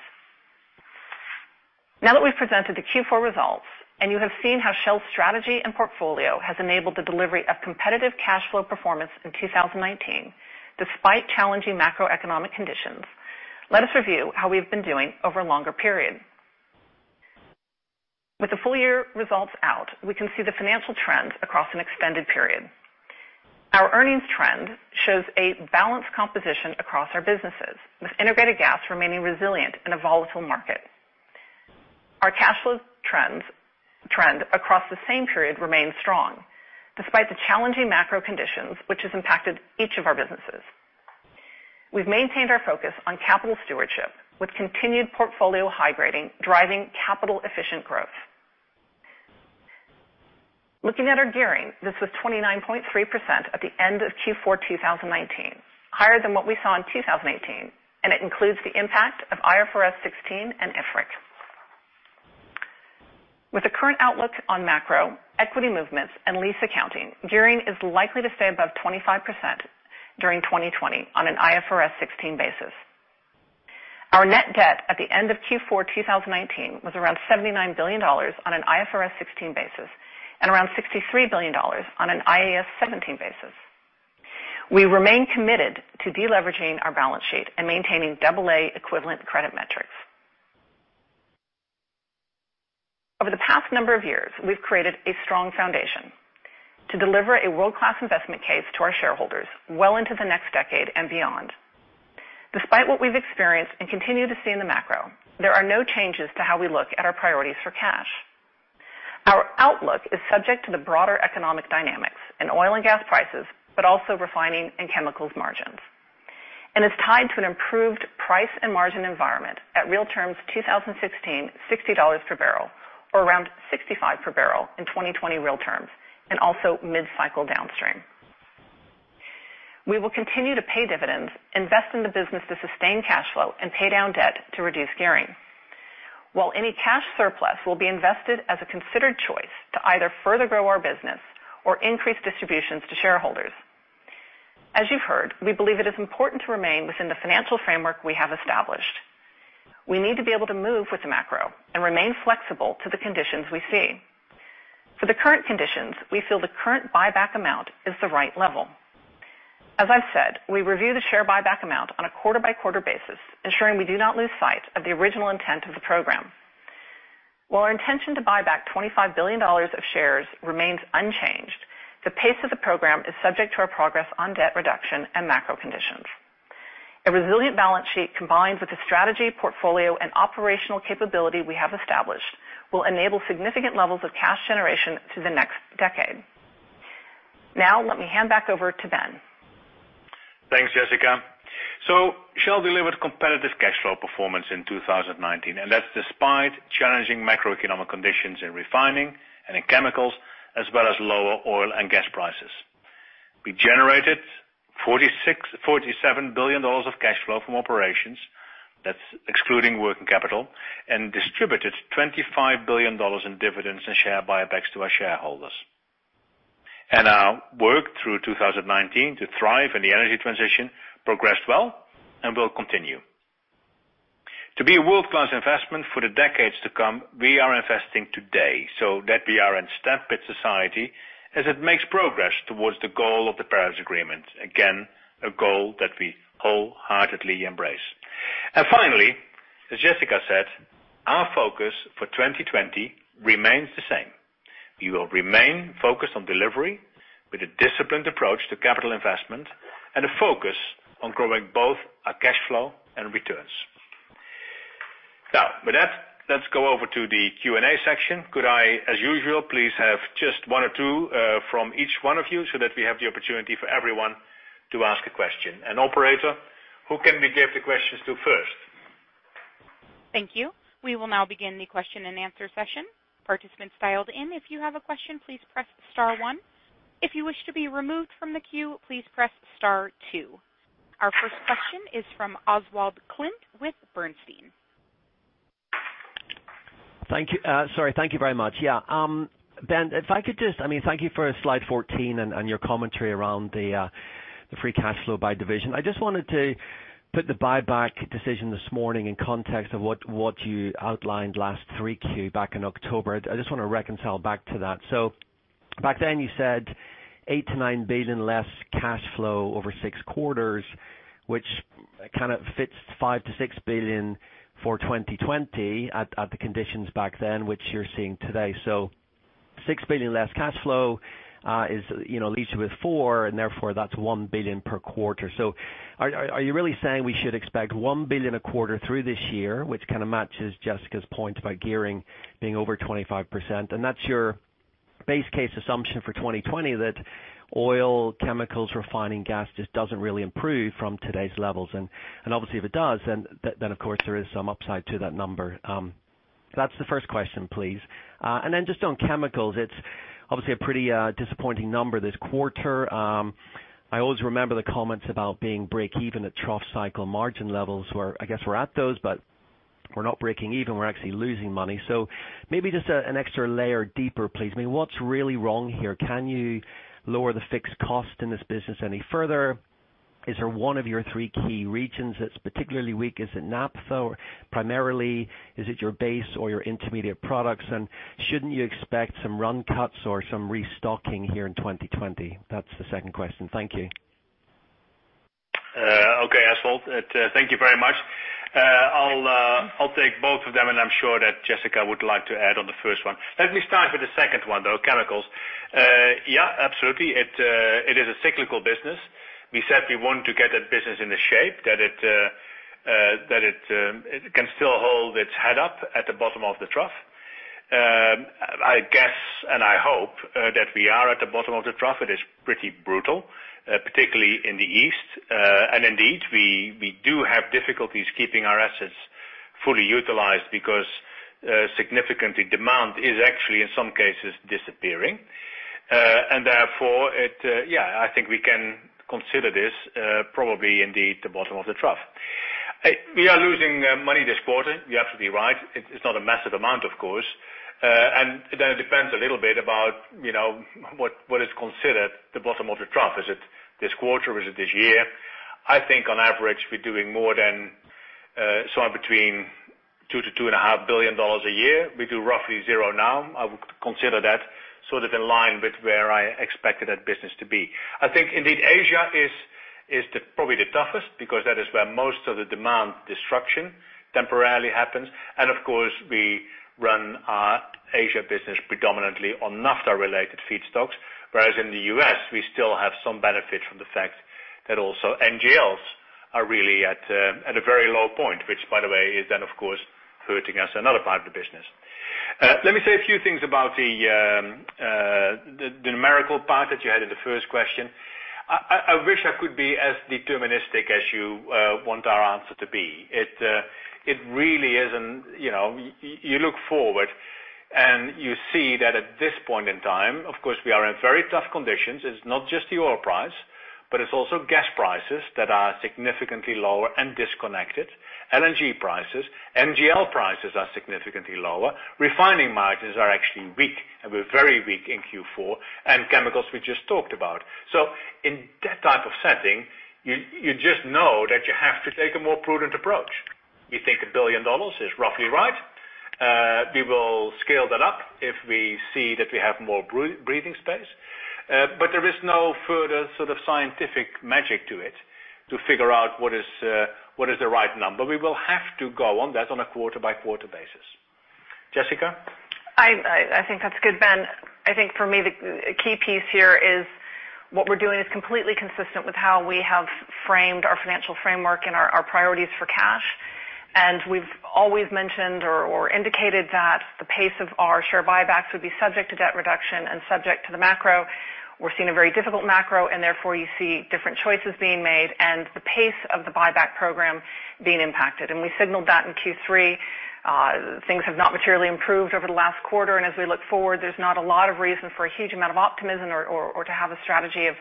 Now that we've presented the Q4 results and you have seen how Shell's strategy and portfolio has enabled the delivery of competitive cash flow performance in 2019 despite challenging macroeconomic conditions, let us review how we've been doing over a longer period. With the full year results out, we can see the financial trends across an extended period. Our earnings trend shows a balanced composition across our businesses, with integrated gas remaining resilient in a volatile market. Our cash flow trend across the same period remains strong despite the challenging macro conditions, which has impacted each of our businesses. We've maintained our focus on capital stewardship with continued portfolio high-grading, driving capital-efficient growth. Looking at our gearing, this was 29.3% at the end of Q4 2019, higher than what we saw in 2018, and it includes the impact of IFRS 16 and IFRIC. With the current outlook on macro, equity movements, and lease accounting, gearing is likely to stay above 25% during 2020 on an IFRS 16 basis. Our net debt at the end of Q4 2019 was around $79 billion on an IFRS 16 basis, and around $63 billion on an IAS 17 basis. We remain committed to de-leveraging our balance sheet and maintaining double A equivalent credit metrics. Over the past number of years, we've created a strong foundation to deliver a world-class investment case to our shareholders well into the next decade and beyond. Despite what we've experienced and continue to see in the macro, there are no changes to how we look at our priorities for cash. Our outlook is subject to the broader economic dynamics in oil and gas prices, but also refining and chemicals margins. It is tied to an improved price and margin environment at real terms 2016, $60 per barrel or around $65 per barrel in 2020 real terms, and also mid-cycle Downstream. We will continue to pay dividends, invest in the business to sustain cash flow, and pay down debt to reduce gearing. While any cash surplus will be invested as a considered choice to either further grow our business or increase distributions to shareholders. As you've heard, we believe it is important to remain within the financial framework we have established. We need to be able to move with the macro and remain flexible to the conditions we see. For the current conditions, we feel the current buyback amount is the right level. As I've said, we review the share buyback amount on a quarter-by-quarter basis, ensuring we do not lose sight of the original intent of the program. While our intention to buy back $25 billion of shares remains unchanged, the pace of the program is subject to our progress on debt reduction and macro conditions. A resilient balance sheet, combined with the strategy, portfolio, and operational capability we have established, will enable significant levels of cash generation to the next decade. Now, let me hand back over to Ben. Thanks, Jessica. Shell delivered competitive cash flow performance in 2019, and that's despite challenging macroeconomic conditions in refining and in chemicals, as well as lower oil and gas prices. We generated $47 billion of cash flow from operations, that's excluding working capital, and distributed $25 billion in dividends and share buybacks to our shareholders. Our work through 2019 to thrive in the energy transition progressed well and will continue. To be a world-class investment for the decades to come, we are investing today so that we are in step with society as it makes progress towards the goal of the Paris Agreement. Again, a goal that we wholeheartedly embrace. Finally, as Jessica said, our focus for 2020 remains the same. We will remain focused on delivery with a disciplined approach to capital investment and a focus on growing both our cash flow and returns. Now, with that, let's go over to the Q&A section. Could I, as usual, please have just one or two from each one of you so that we have the opportunity for everyone to ask a question. Operator, who can we give the questions to first? Thank you. We will now begin the question and answer session. Participants dialed in, if you have a question, please press star 1. If you wish to be removed from the queue, please press star 2. Our first question is from Oswald Clint with Bernstein. Thank you. Sorry. Thank you very much. Yeah. Ben, if I could just Thank you for slide 14 and your commentary around the free cash flow by division. I just wanted to put the buyback decision this morning in context of what you outlined last 3Q back in October. I just want to reconcile back to that. Back then you said $8 billion-$9 billion less cash flow over 6 quarters, which kind of fits $5 billion-$6 billion for 2020 at the conditions back then, which you're seeing today. $6 billion less cash flow leaves you with four, and therefore that's $1 billion per quarter. Are you really saying we should expect $1 billion a quarter through this year, which kind of matches Jessica's point about gearing being over 25%? That's your base case assumption for 2020, that oil, chemicals, refining gas just doesn't really improve from today's levels. Obviously if it does, then of course there is some upside to that number. That's the first question, please. Then just on chemicals, it's obviously a pretty disappointing number this quarter. I always remember the comments about being break even at trough cycle margin levels where I guess we're at those, but we're not breaking even. We're actually losing money. Maybe just an extra layer deeper, please. I mean, what's really wrong here? Can you lower the fixed cost in this business any further? Is there one of your three key regions that's particularly weak? Is it naphtha primarily? Is it your base or your intermediate products? Shouldn't you expect some run cuts or some restocking here in 2020? That's the second question. Thank you. Okay, Oswald. Thank you very much. I'll take both of them. I'm sure that Jessica would like to add on the first one. Let me start with the second one, though, chemicals. Yeah, absolutely. It is a cyclical business. We said we want to get that business in a shape that it can still hold its head up at the bottom of the trough. I guess, and I hope, that we are at the bottom of the trough. It is pretty brutal, particularly in the East. Indeed, we do have difficulties keeping our assets fully utilized because significantly demand is actually, in some cases, disappearing. Therefore, I think we can consider this probably indeed the bottom of the trough. We are losing money this quarter, you're absolutely right. It's not a massive amount, of course. It depends a little bit about what is considered the bottom of the trough. Is it this quarter? Is it this year? I think on average, we're doing more than somewhere between $2 billion-$2.5 billion a year. We do roughly zero now. I would consider that sort of in line with where I expected that business to be. I think indeed Asia is probably the toughest because that is where most of the demand disruption temporarily happens. Of course, we run our Asia business predominantly on naphtha related feedstocks. Whereas in the U.S., we still have some benefit from the fact that also NGLs are really at a very low point. Which by the way, is then, of course, hurting us, another part of the business. Let me say a few things about the numerical part that you had in the first question. I wish I could be as deterministic as you want our answer to be. You look forward and you see that at this point in time, of course, we are in very tough conditions. It's not just the oil price, but it's also gas prices that are significantly lower and disconnected. LNG prices, NGL prices are significantly lower. Refining margins are actually weak, and were very weak in Q4, and chemicals we just talked about. In that type of setting, you just know that you have to take a more prudent approach. We think $1 billion is roughly right. We will scale that up if we see that we have more breathing space. There is no further sort of scientific magic to it to figure out what is the right number. We will have to go on that on a quarter-by-quarter basis. Jessica? I think that's good, Ben. I think for me, the key piece here is what we're doing is completely consistent with how we have framed our financial framework and our priorities for cash. We've always mentioned or indicated that the pace of our share buybacks would be subject to debt reduction and subject to the macro. We're seeing a very difficult macro, therefore you see different choices being made and the pace of the buyback program being impacted. We signaled that in Q3. Things have not materially improved over the last quarter, as we look forward, there's not a lot of reason for a huge amount of optimism or to have a strategy of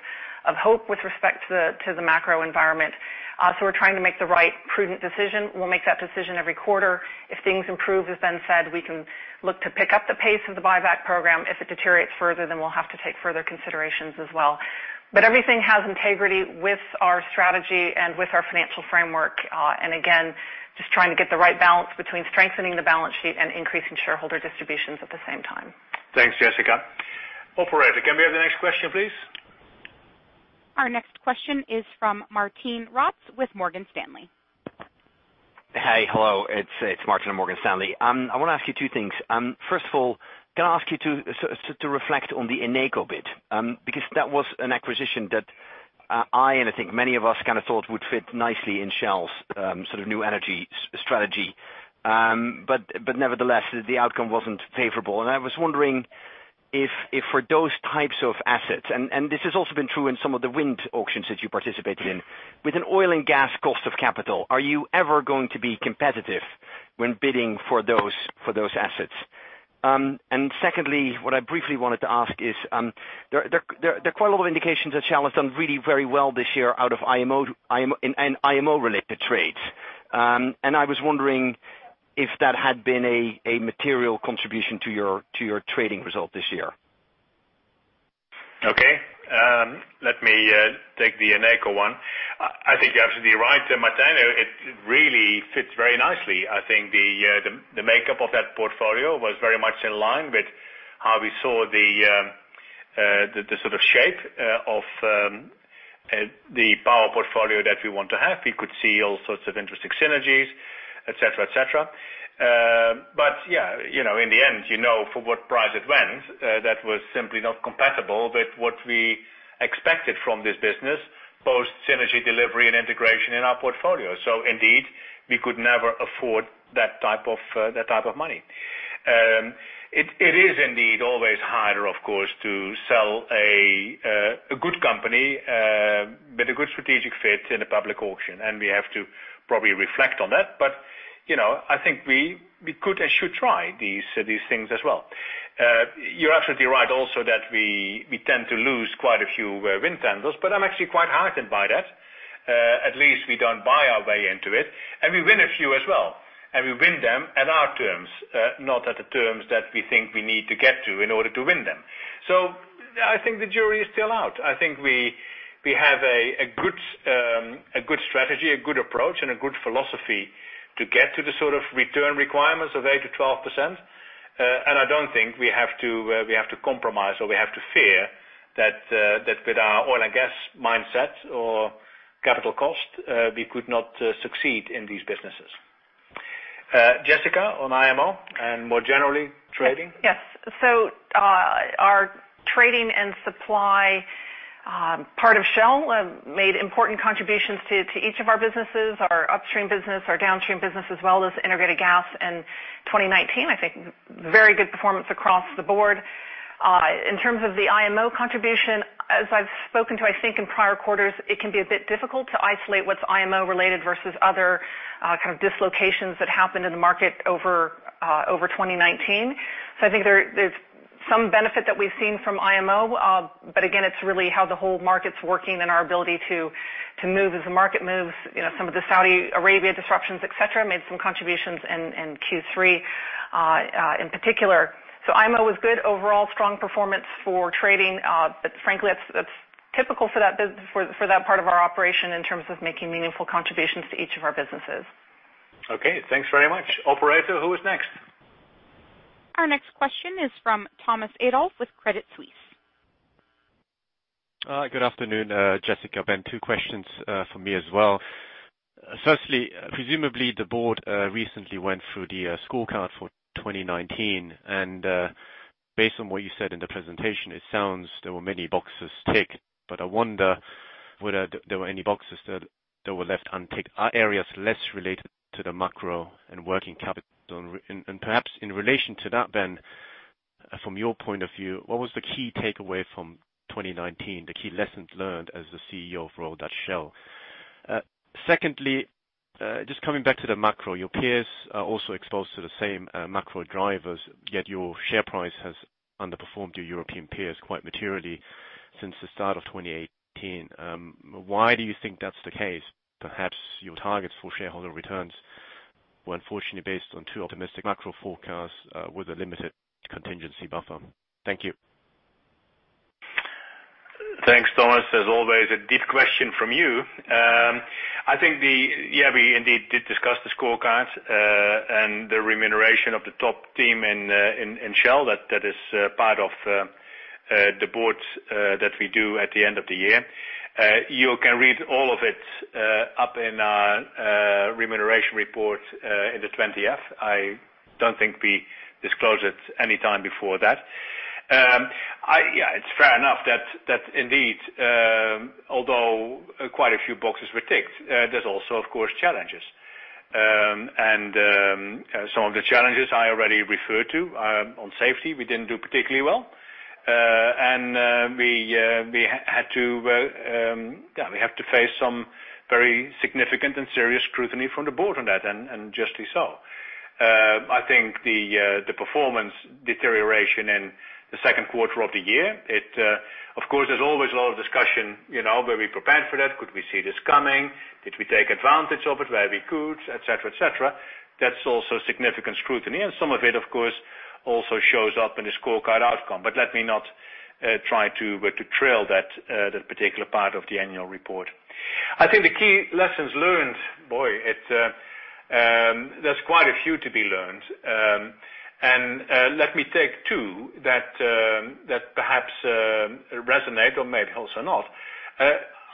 hope with respect to the macro environment. We're trying to make the right prudent decision. We'll make that decision every quarter. If things improve, as Ben said, we can look to pick up the pace of the buyback program. If it deteriorates further, we'll have to take further considerations as well. Everything has integrity with our strategy and with our financial framework. Again, just trying to get the right balance between strengthening the balance sheet and increasing shareholder distributions at the same time. Thanks, Jessica. Operator, can we have the next question, please? Our next question is from Martijn Rats with Morgan Stanley. Hey. Hello, it's Martijn with Morgan Stanley. I want to ask you two things. First of all, can I ask you to reflect on the Eneco bit? That was an acquisition that I, and I think many of us kind of thought would fit nicely in Shell's sort of New Energies strategy. Nevertheless, the outcome wasn't favorable. I was wondering if for those types of assets, and this has also been true in some of the wind auctions that you participated in, with an oil and gas cost of capital, are you ever going to be competitive when bidding for those assets? Secondly, what I briefly wanted to ask is, there are quite a lot of indications that Shell has done really very well this year in IMO related trades. I was wondering if that had been a material contribution to your trading result this year. Okay. Let me take the Eneco one. I think you're absolutely right, Martijn. It really fits very nicely. I think the makeup of that portfolio was very much in line with how we saw the sort of shape of the power portfolio that we want to have. We could see all sorts of interesting synergies, et cetera. Yeah, in the end, you know for what price it went, that was simply not compatible with what we expected from this business, post synergy delivery and integration in our portfolio. Indeed, we could never afford that type of money. It is indeed always harder, of course, to sell a good company with a good strategic fit in a public auction, and we have to probably reflect on that. I think we could and should try these things as well. You're absolutely right also that we tend to lose quite a few wind tenders, I'm actually quite heartened by that. At least we don't buy our way into it, and we win a few as well, and we win them at our terms, not at the terms that we think we need to get to in order to win them. I think the jury is still out. I think we have a good strategy, a good approach, and a good philosophy to get to the sort of return requirements of 8%-12%. I don't think we have to compromise or we have to fear that with our oil and gas mindset or capital cost, we could not succeed in these businesses. Jessica, on IMO and more generally, trading? Yes. Our trading and supply part of Shell made important contributions to each of our businesses, our upstream business, our downstream business, as well as integrated gas in 2019. I think very good performance across the board. In terms of the IMO contribution, as I've spoken to, I think in prior quarters, it can be a bit difficult to isolate what's IMO related versus other kind of dislocations that happened in the market over 2019. I think there's some benefit that we've seen from IMO. Again, it's really how the whole market's working and our ability to move as the market moves. Some of the Saudi Arabia disruptions, et cetera, made some contributions in Q3 in particular. IMO was good overall strong performance for trading. Frankly, that's typical for that part of our operation in terms of making meaningful contributions to each of our businesses. Okay, thanks very much. Operator, who is next? Our next question is from Thomas Adolff with Credit Suisse. Good afternoon Jessica, Ben, two questions from me as well. Firstly, presumably the board recently went through the scorecard for 2019, and based on what you said in the presentation, it sounds there were many boxes ticked. I wonder whether there were any boxes that were left unticked are areas less related to the macro and working capital. Perhaps in relation to that, Ben, from your point of view, what was the key takeaway from 2019, the key lessons learned as the CEO of Royal Dutch Shell? Secondly, just coming back to the macro, your peers are also exposed to the same macro drivers, yet your share price has underperformed your European peers quite materially since the start of 2018. Why do you think that's the case? Perhaps your targets for shareholder returns were unfortunately based on too optimistic macro forecasts, with a limited contingency buffer. Thank you. Thanks, Thomas. As always, a deep question from you. I think we indeed did discuss the scorecards, and the remuneration of the top team in Shell that is part of the boards that we do at the end of the year. You can read all of it up in our remuneration report in the 20-F. I don't think we disclose it any time before that. It's fair enough that indeed, although quite a few boxes were ticked, there's also, of course, challenges. Some of the challenges I already referred to on safety, we didn't do particularly well. We have to face some very significant and serious scrutiny from the board on that, and justly so. I think the performance deterioration in the second quarter of the year, of course, there's always a lot of discussion, were we prepared for that? Could we see this coming? Did we take advantage of it where we could, et cetera. That's also significant scrutiny, and some of it, of course, also shows up in the scorecard outcome. Let me not try to trail that particular part of the annual report. I think the key lessons learned, boy, there's quite a few to be learned. Let me take two that perhaps resonate or maybe also not.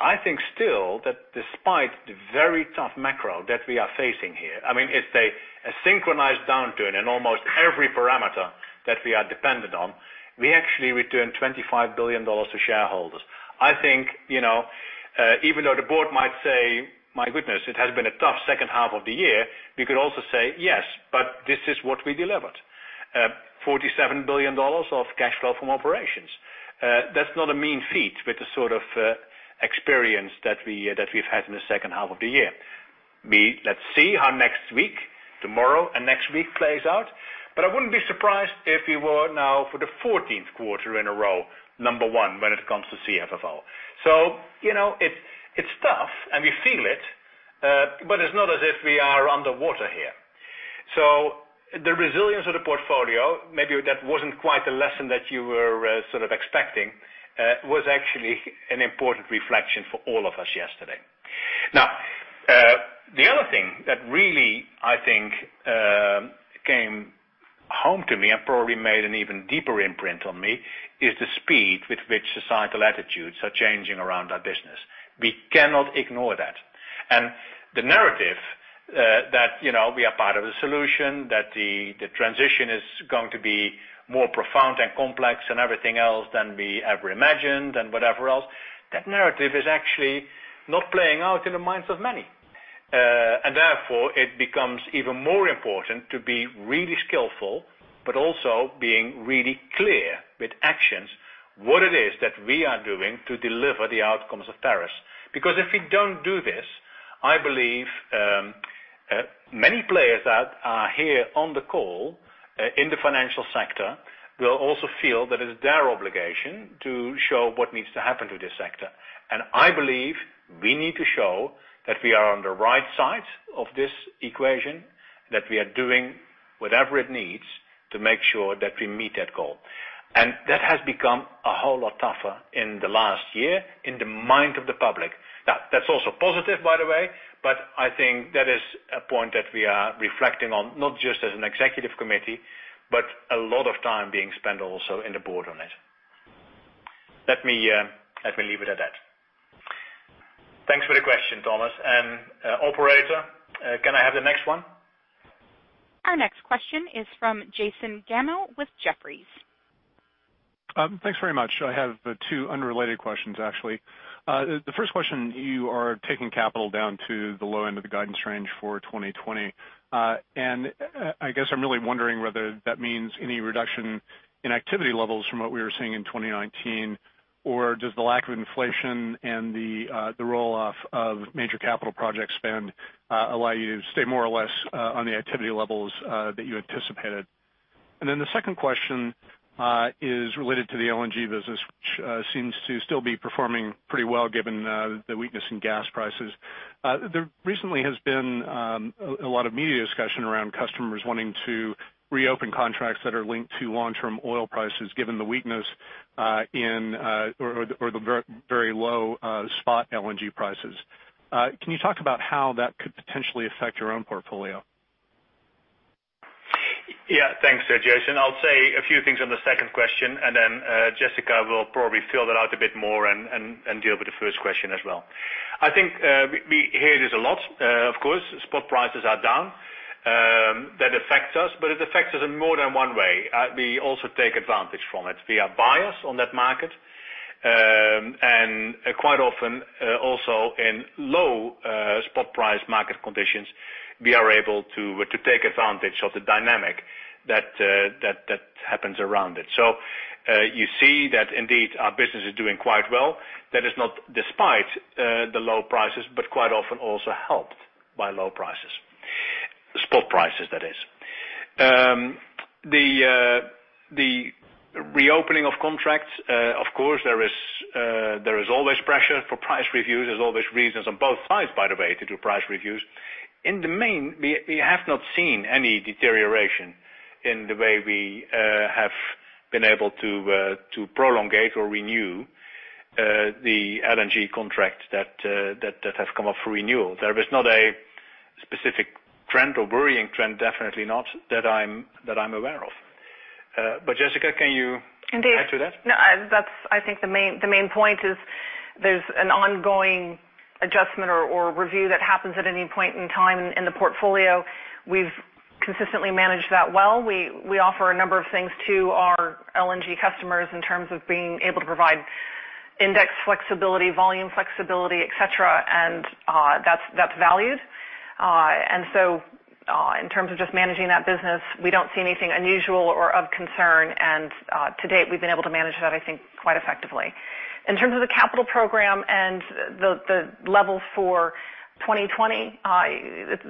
I think still that despite the very tough macro that we are facing here, it's a synchronized downturn in almost every parameter that we are dependent on. We actually returned $25 billion to shareholders. I think, even though the board might say, "My goodness, it has been a tough second half of the year," we could also say, "Yes, but this is what we delivered." $47 billion of cash flow from operations. That's not a mean feat with the sort of experience that we've had in the second half of the year. Let's see how tomorrow and next week plays out, but I wouldn't be surprised if we were now, for the 14th quarter in a row, number one when it comes to CFFO. It's tough, and we feel it. It's not as if we are underwater here. The resilience of the portfolio, maybe that wasn't quite the lesson that you were sort of expecting, was actually an important reflection for all of us yesterday. The other thing that really, I think, came home to me and probably made an even deeper imprint on me is the speed with which societal attitudes are changing around our business. We cannot ignore that. The narrative that we are part of the solution, that the transition is going to be more profound and complex and everything else than we ever imagined and whatever else, that narrative is actually not playing out in the minds of many. Therefore, it becomes even more important to be really skillful, but also being really clear with actions what it is that we are doing to deliver the outcomes of Paris. If we don't do this, I believe many players that are here on the call in the financial sector will also feel that it is their obligation to show what needs to happen to this sector. I believe we need to show that we are on the right side of this equation, that we are doing whatever it needs to make sure that we meet that goal. That has become a whole lot tougher in the last year in the mind of the public. That's also positive, by the way, but I think that is a point that we are reflecting on, not just as an executive committee, but a lot of time being spent also in the board on it. Let me leave it at that. Thanks for the question, Thomas. Operator, can I have the next one? Our next question is from Jason Gammel with Jefferies. Thanks very much. I have two unrelated questions, actually. The first question, you are taking capital down to the low end of the guidance range for 2020. I guess I'm really wondering whether that means any reduction in activity levels from what we were seeing in 2019, or does the lack of inflation and the roll-off of major capital project spend allow you to stay more or less on the activity levels that you anticipated? The second question is related to the LNG business, which seems to still be performing pretty well given the weakness in gas prices. There recently has been a lot of media discussion around customers wanting to reopen contracts that are linked to long-term oil prices, given the weakness or the very low spot LNG prices. Can you talk about how that could potentially affect your own portfolio? Yeah. Thanks, Jason. I'll say a few things on the second question and then Jessica will probably fill that out a bit more and deal with the first question as well. I think we hear this a lot. Of course, spot prices are down. That affects us, but it affects us in more than one way. We also take advantage from it. We are buyers on that market. Quite often, also in low spot price market conditions, we are able to take advantage of the dynamic that happens around it. You see that indeed our business is doing quite well. That is not despite the low prices, but quite often also helped by low prices. Spot prices, that is. The reopening of contracts, of course, there is always pressure for price reviews. There is always reasons on both sides, by the way, to do price reviews. In the main, we have not seen any deterioration in the way we have been able to prolongate or renew the LNG contract that have come up for renewal. There is not a specific trend or worrying trend, definitely not, that I'm aware of. Jessica, can you add to that? Indeed. No, I think the main point is there's an ongoing adjustment or review that happens at any point in time in the portfolio. We've consistently managed that well. We offer a number of things to our LNG customers in terms of being able to provide index flexibility, volume flexibility, et cetera, and that's valued. So, in terms of just managing that business, we don't see anything unusual or of concern. To date, we've been able to manage that, I think, quite effectively. In terms of the capital program and the level for 2020, it's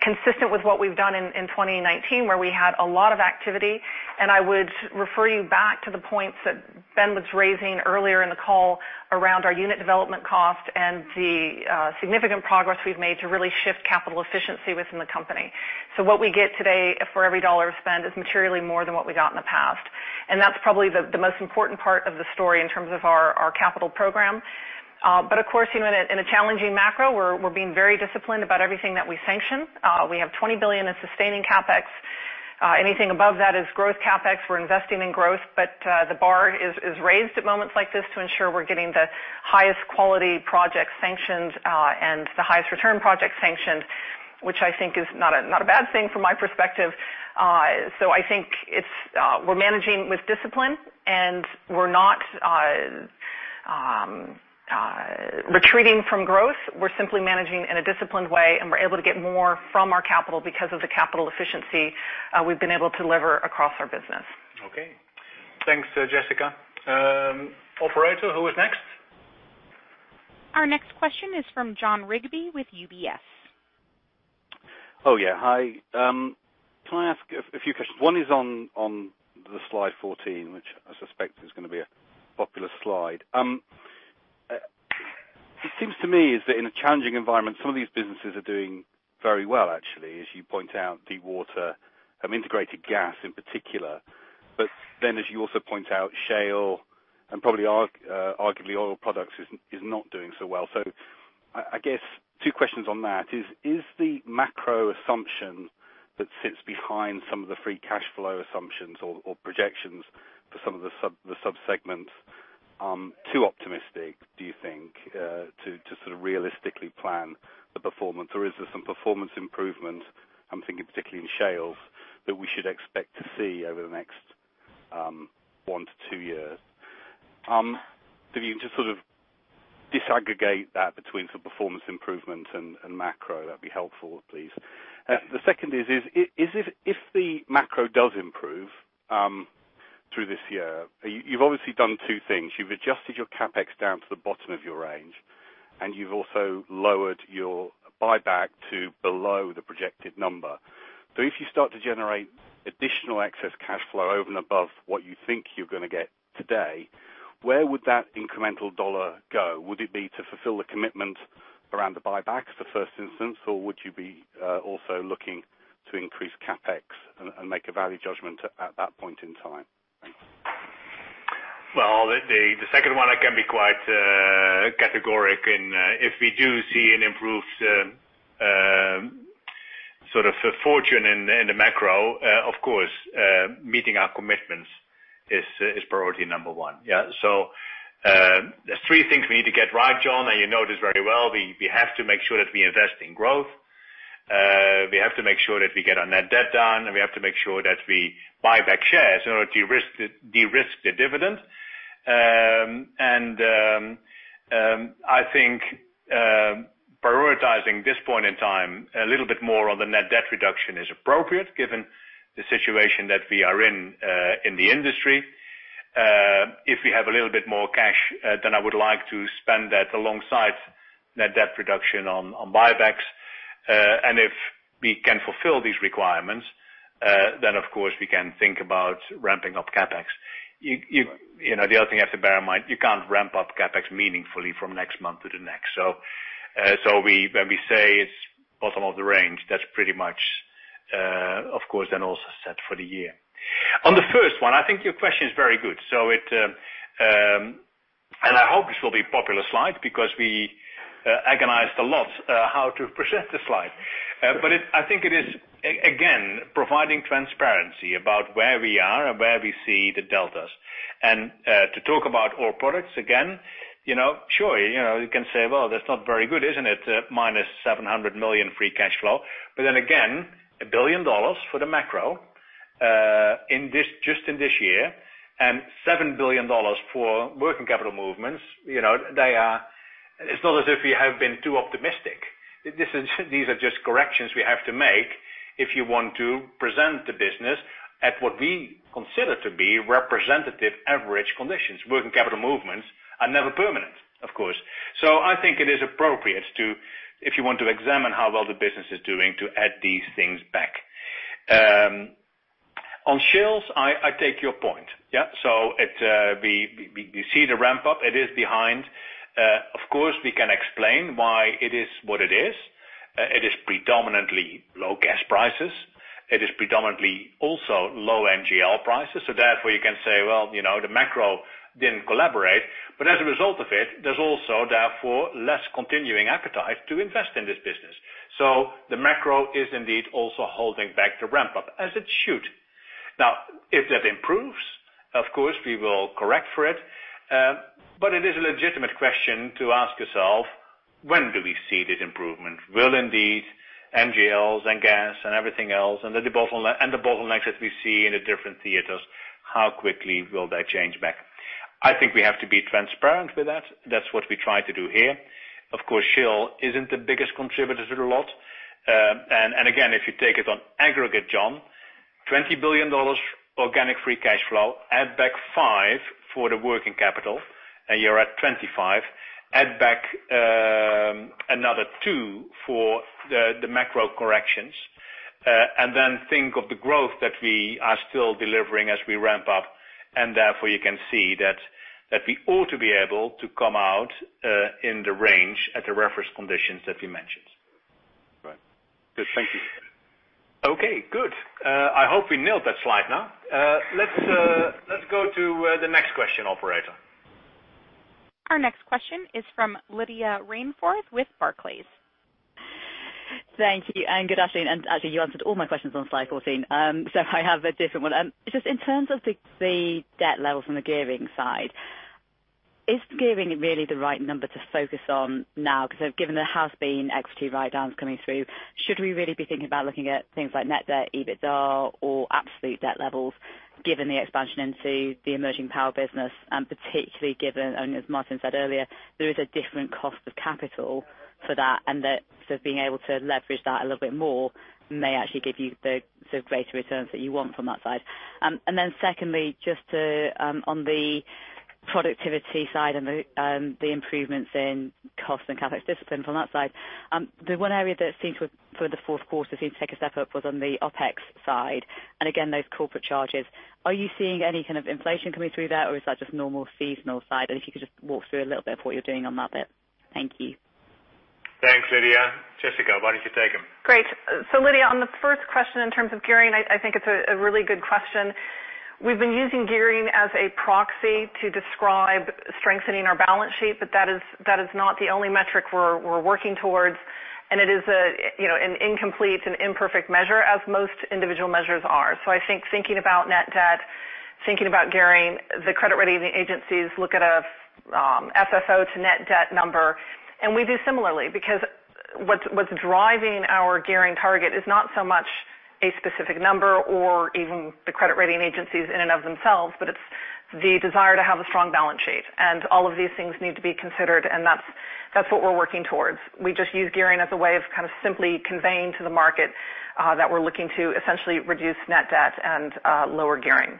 consistent with what we've done in 2019 where we had a lot of activity. I would refer you back to the points that Ben was raising earlier in the call around our unit development cost and the significant progress we've made to really shift capital efficiency within the company. What we get today for every $1 spent is materially more than what we got in the past. That's probably the most important part of the story in terms of our capital program. Of course, in a challenging macro, we're being very disciplined about everything that we sanction. We have $20 billion in sustaining CapEx. Anything above that is growth CapEx. We're investing in growth, but the bar is raised at moments like this to ensure we're getting the highest quality projects sanctioned, and the highest return projects sanctioned, which I think is not a bad thing from my perspective. I think we're managing with discipline and we're not retreating from growth. We're simply managing in a disciplined way, and we're able to get more from our capital because of the capital efficiency we've been able to lever across our business. Okay. Thanks, Jessica. Operator, who is next? Our next question is from Jon Rigby with UBS. Oh, yeah. Hi. Can I ask a few questions? One is on the slide 14, which I suspect is going to be a popular slide. It seems to me is that in a challenging environment, some of these businesses are doing very well, actually. As you point out, the Integrated Gas in particular. As you also point out, shale and probably arguably oil products is not doing so well. I guess two questions on that is the macro assumption that sits behind some of the free cash flow assumptions or projections for some of the sub-segments too optimistic, do you think, to sort of realistically plan the performance? Is there some performance improvement, I'm thinking particularly in shales, that we should expect to see over the next one to two years? If you can just sort of disaggregate that between sort of performance improvement and macro, that'd be helpful, please. The second is, if the macro does improve through this year, you've obviously done two things. You've adjusted your CapEx down to the bottom of your range, and you've also lowered your buyback to below the projected number. If you start to generate additional excess cash flow over and above what you think you're going to get today, where would that incremental dollar go? Would it be to fulfill the commitment around the buybacks for first instance, or would you be also looking to increase CapEx and make a value judgment at that point in time? Thanks. Well, the second one, I can be quite categoric in. If we do see an improved sort of fortune in the macro, of course, meeting our commitments is priority number one. There's three things we need to get right, Jon, and you know this very well. We have to make sure that we invest in growth. We have to make sure that we get our net debt down, and we have to make sure that we buy back shares in order to de-risk the dividend. I think prioritizing this point in time, a little bit more on the net debt reduction is appropriate given the situation that we are in the industry. If we have a little bit more cash, then I would like to spend that alongside net debt reduction on buybacks. If we can fulfill these requirements, then, of course, we can think about ramping up CapEx. The other thing you have to bear in mind, you can't ramp up CapEx meaningfully from next month to the next. When we say it's bottom of the range, that's pretty much, of course, then also set for the year. On the first one, I think your question is very good. I hope this will be a popular slide because we agonized a lot how to present the slide. I think it is, again, providing transparency about where we are and where we see the deltas. To talk about Oil Products again, sure, you can say, "Well, that's not very good, isn't it? -$700 million free cash flow." Again, $1 billion for the macro just in this year, and $7 billion for working capital movements, it's not as if we have been too optimistic. These are just corrections we have to make if you want to present the business at what we consider to be representative average conditions. Working capital movements are never permanent, of course. I think it is appropriate, if you want to examine how well the business is doing, to add these things back. On Shell's, I take your point. So we see the ramp-up. It is behind. Of course, we can explain why it is what it is. It is predominantly low gas prices. It is predominantly also low NGL prices. Therefore, you can say, well, the macro didn't collaborate. As a result of it, there's also, therefore, less continuing appetite to invest in this business. The macro is indeed also holding back the ramp-up, as it should. If that improves, of course, we will correct for it. It is a legitimate question to ask yourself, when do we see this improvement? Will indeed NGLs and gas and everything else, and the bottlenecks that we see in the different theaters, how quickly will they change back? I think we have to be transparent with that. That's what we try to do here. Of course, Shell isn't the biggest contributor to the lot. Again, if you take it on aggregate, Jon, $20 billion organic free cash flow, add back $5 for the working capital, and you're at $25. Add back another two for the macro corrections, and then think of the growth that we are still delivering as we ramp up, and therefore you can see that we ought to be able to come out in the range at the reference conditions that we mentioned. Right. Good. Thank you. Okay, good. I hope we nailed that slide now. Let's go to the next question, Operator. Our next question is from Lydia Rainforth with Barclays. Thank you, and good afternoon. Actually, you answered all my questions on slide 14, so I have a different one. Just in terms of the debt levels on the gearing side, is gearing really the right number to focus on now? Because given there has been equity write-downs coming through, should we really be thinking about looking at things like net debt, EBITDA, or absolute debt levels, given the expansion into the emerging power business, and particularly given, and as Martijn said earlier, there is a different cost of capital for that, and that so being able to leverage that a little bit more may actually give you the greater returns that you want from that side. Secondly, just on the productivity side and the improvements in cost and CapEx discipline from that side. The one area that for the fourth quarter seemed to take a step up was on the OpEx side, and again, those corporate charges. Are you seeing any kind of inflation coming through there, or is that just normal seasonal side? If you could just walk through a little bit of what you're doing on that bit. Thank you. Thanks, Lydia. Jessica, why don't you take them? Great. Lydia, on the first question in terms of gearing, I think it's a really good question. We've been using gearing as a proxy to describe strengthening our balance sheet, that is not the only metric we're working towards, and it is an incomplete and imperfect measure, as most individual measures are. I think thinking about net debt, thinking about gearing, the credit rating agencies look at a FFO to net debt number, and we do similarly. What's driving our gearing target is not so much a specific number or even the credit rating agencies in and of themselves, but it's the desire to have a strong balance sheet. All of these things need to be considered, and that's what we're working towards. We just use gearing as a way of kind of simply conveying to the market that we're looking to essentially reduce net debt and lower gearing.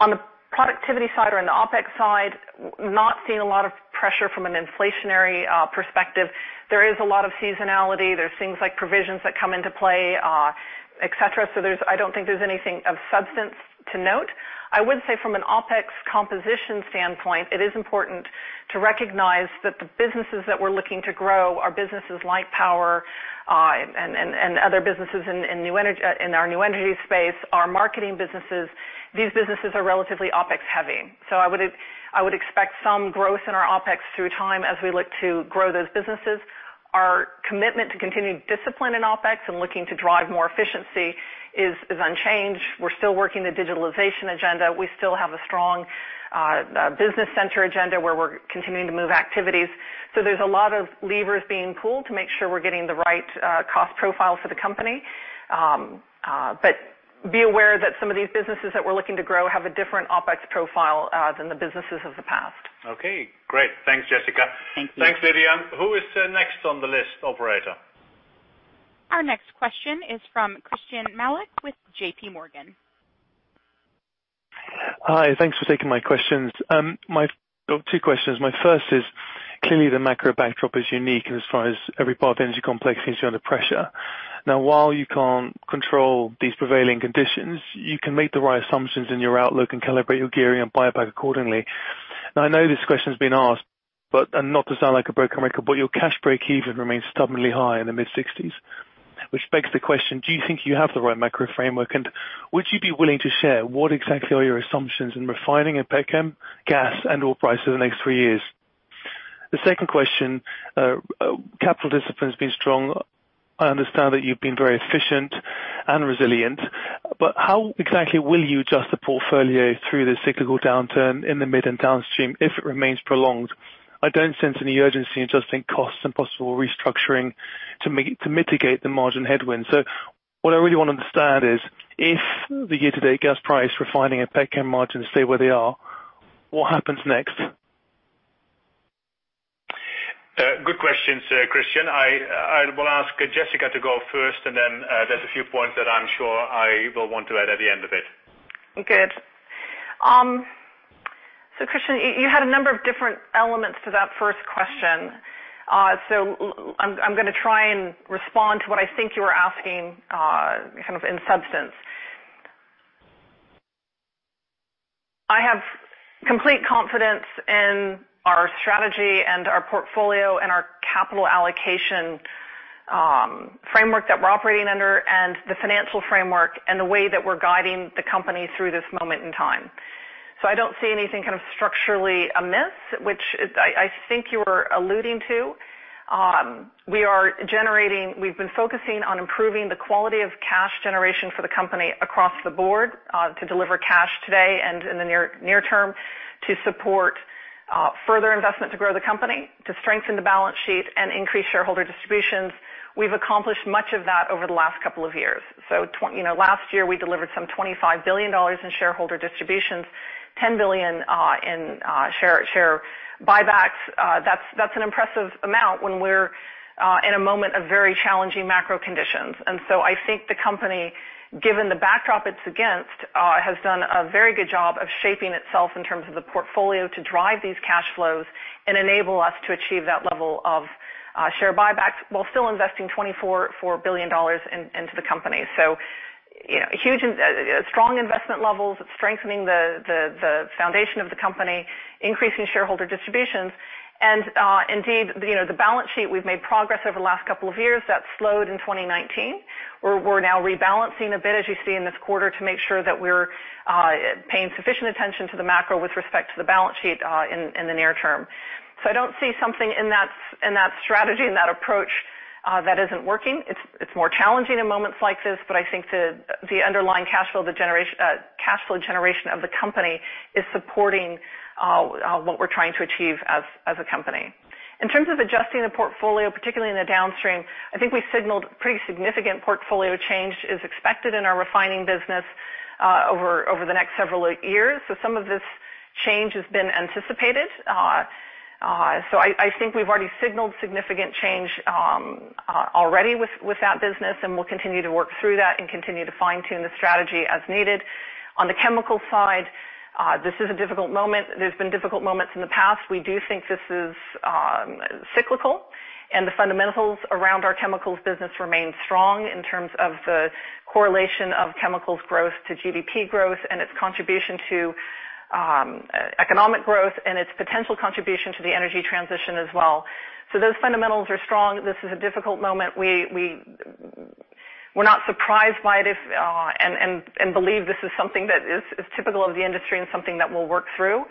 On the productivity side or on the OpEx side, not seeing a lot of pressure from an inflationary perspective. There is a lot of seasonality. There's things like provisions that come into play, et cetera. I don't think there's anything of substance to note. I would say from an OpEx composition standpoint, it is important to recognize that the businesses that we're looking to grow are businesses like power and other businesses in our New Energies space, our marketing businesses. These businesses are relatively OpEx-heavy. I would expect some growth in our OpEx through time as we look to grow those businesses. Our commitment to continued discipline in OpEx and looking to drive more efficiency is unchanged. We're still working the digitalization agenda. We still have a strong business center agenda where we're continuing to move activities. There's a lot of levers being pulled to make sure we're getting the right cost profile for the company. Be aware that some of these businesses that we're looking to grow have a different OpEx profile than the businesses of the past. Okay, great. Thanks, Jessica. Thank you. Thanks, Miriam. Who is next on the list, Operator? Our next question is from Christyan Malek with JPMorgan. Hi. Thanks for taking my questions. Two questions. My first is, clearly the macro backdrop is unique as far as every part of energy complex seems to be under pressure. While you can't control these prevailing conditions, you can make the right assumptions in your outlook and calibrate your gearing and buyback accordingly. I know this question's been asked, and not to sound like a broken record, but your cash break-even remains stubbornly high in the mid-60s, which begs the question, do you think you have the right macro framework? Would you be willing to share what exactly are your assumptions in refining and petchem, gas, and oil price over the next three years? The second question. Capital discipline has been strong. I understand that you've been very efficient and resilient, but how exactly will you adjust the portfolio through the cyclical downturn in the mid and Downstream if it remains prolonged? I don't sense any urgency in adjusting costs and possible restructuring to mitigate the margin headwind. What I really want to understand is, if the year-to-date gas price refining and petchem margins stay where they are, what happens next? Good questions, Christyan. I will ask Jessica to go first, then there's a few points that I'm sure I will want to add at the end of it. Good. Christyan, you had a number of different elements to that first question. I'm going to try and respond to what I think you were asking in substance. I have complete confidence in our strategy and our portfolio and our capital allocation framework that we're operating under and the financial framework and the way that we're guiding the company through this moment in time. I don't see anything structurally amiss, which I think you were alluding to. We've been focusing on improving the quality of cash generation for the company across the board to deliver cash today and in the near term to support further investment to grow the company, to strengthen the balance sheet and increase shareholder distributions. We've accomplished much of that over the last couple of years. Last year, we delivered some $25 billion in shareholder distributions, $10 billion in share buybacks. That's an impressive amount when we're in a moment of very challenging macro conditions. I think the company, given the backdrop it's against, has done a very good job of shaping itself in terms of the portfolio to drive these cash flows and enable us to achieve that level of share buybacks while still investing $24 billion into the company. Strong investment levels, strengthening the foundation of the company, increasing shareholder distributions, and indeed, the balance sheet, we've made progress over the last couple of years. That slowed in 2019. We're now rebalancing a bit, as you see in this quarter, to make sure that we're paying sufficient attention to the macro with respect to the balance sheet in the near term. I don't see something in that strategy and that approach that isn't working. It's more challenging in moments like this. I think the underlying cash flow generation of the company is supporting what we're trying to achieve as a company. In terms of adjusting the portfolio, particularly in the Downstream, I think we signaled pretty significant portfolio change is expected in our refining business over the next several years. Some of this change has been anticipated. I think we've already signaled significant change already with that business, and we'll continue to work through that and continue to fine-tune the strategy as needed. On the chemical side, this is a difficult moment. There's been difficult moments in the past. We do think this is cyclical, and the fundamentals around our chemicals business remain strong in terms of the correlation of chemicals growth to GDP growth and its contribution to economic growth and its potential contribution to the energy transition as well. Those fundamentals are strong. This is a difficult moment. We're not surprised by it and believe this is something that is typical of the industry and something that we'll work through,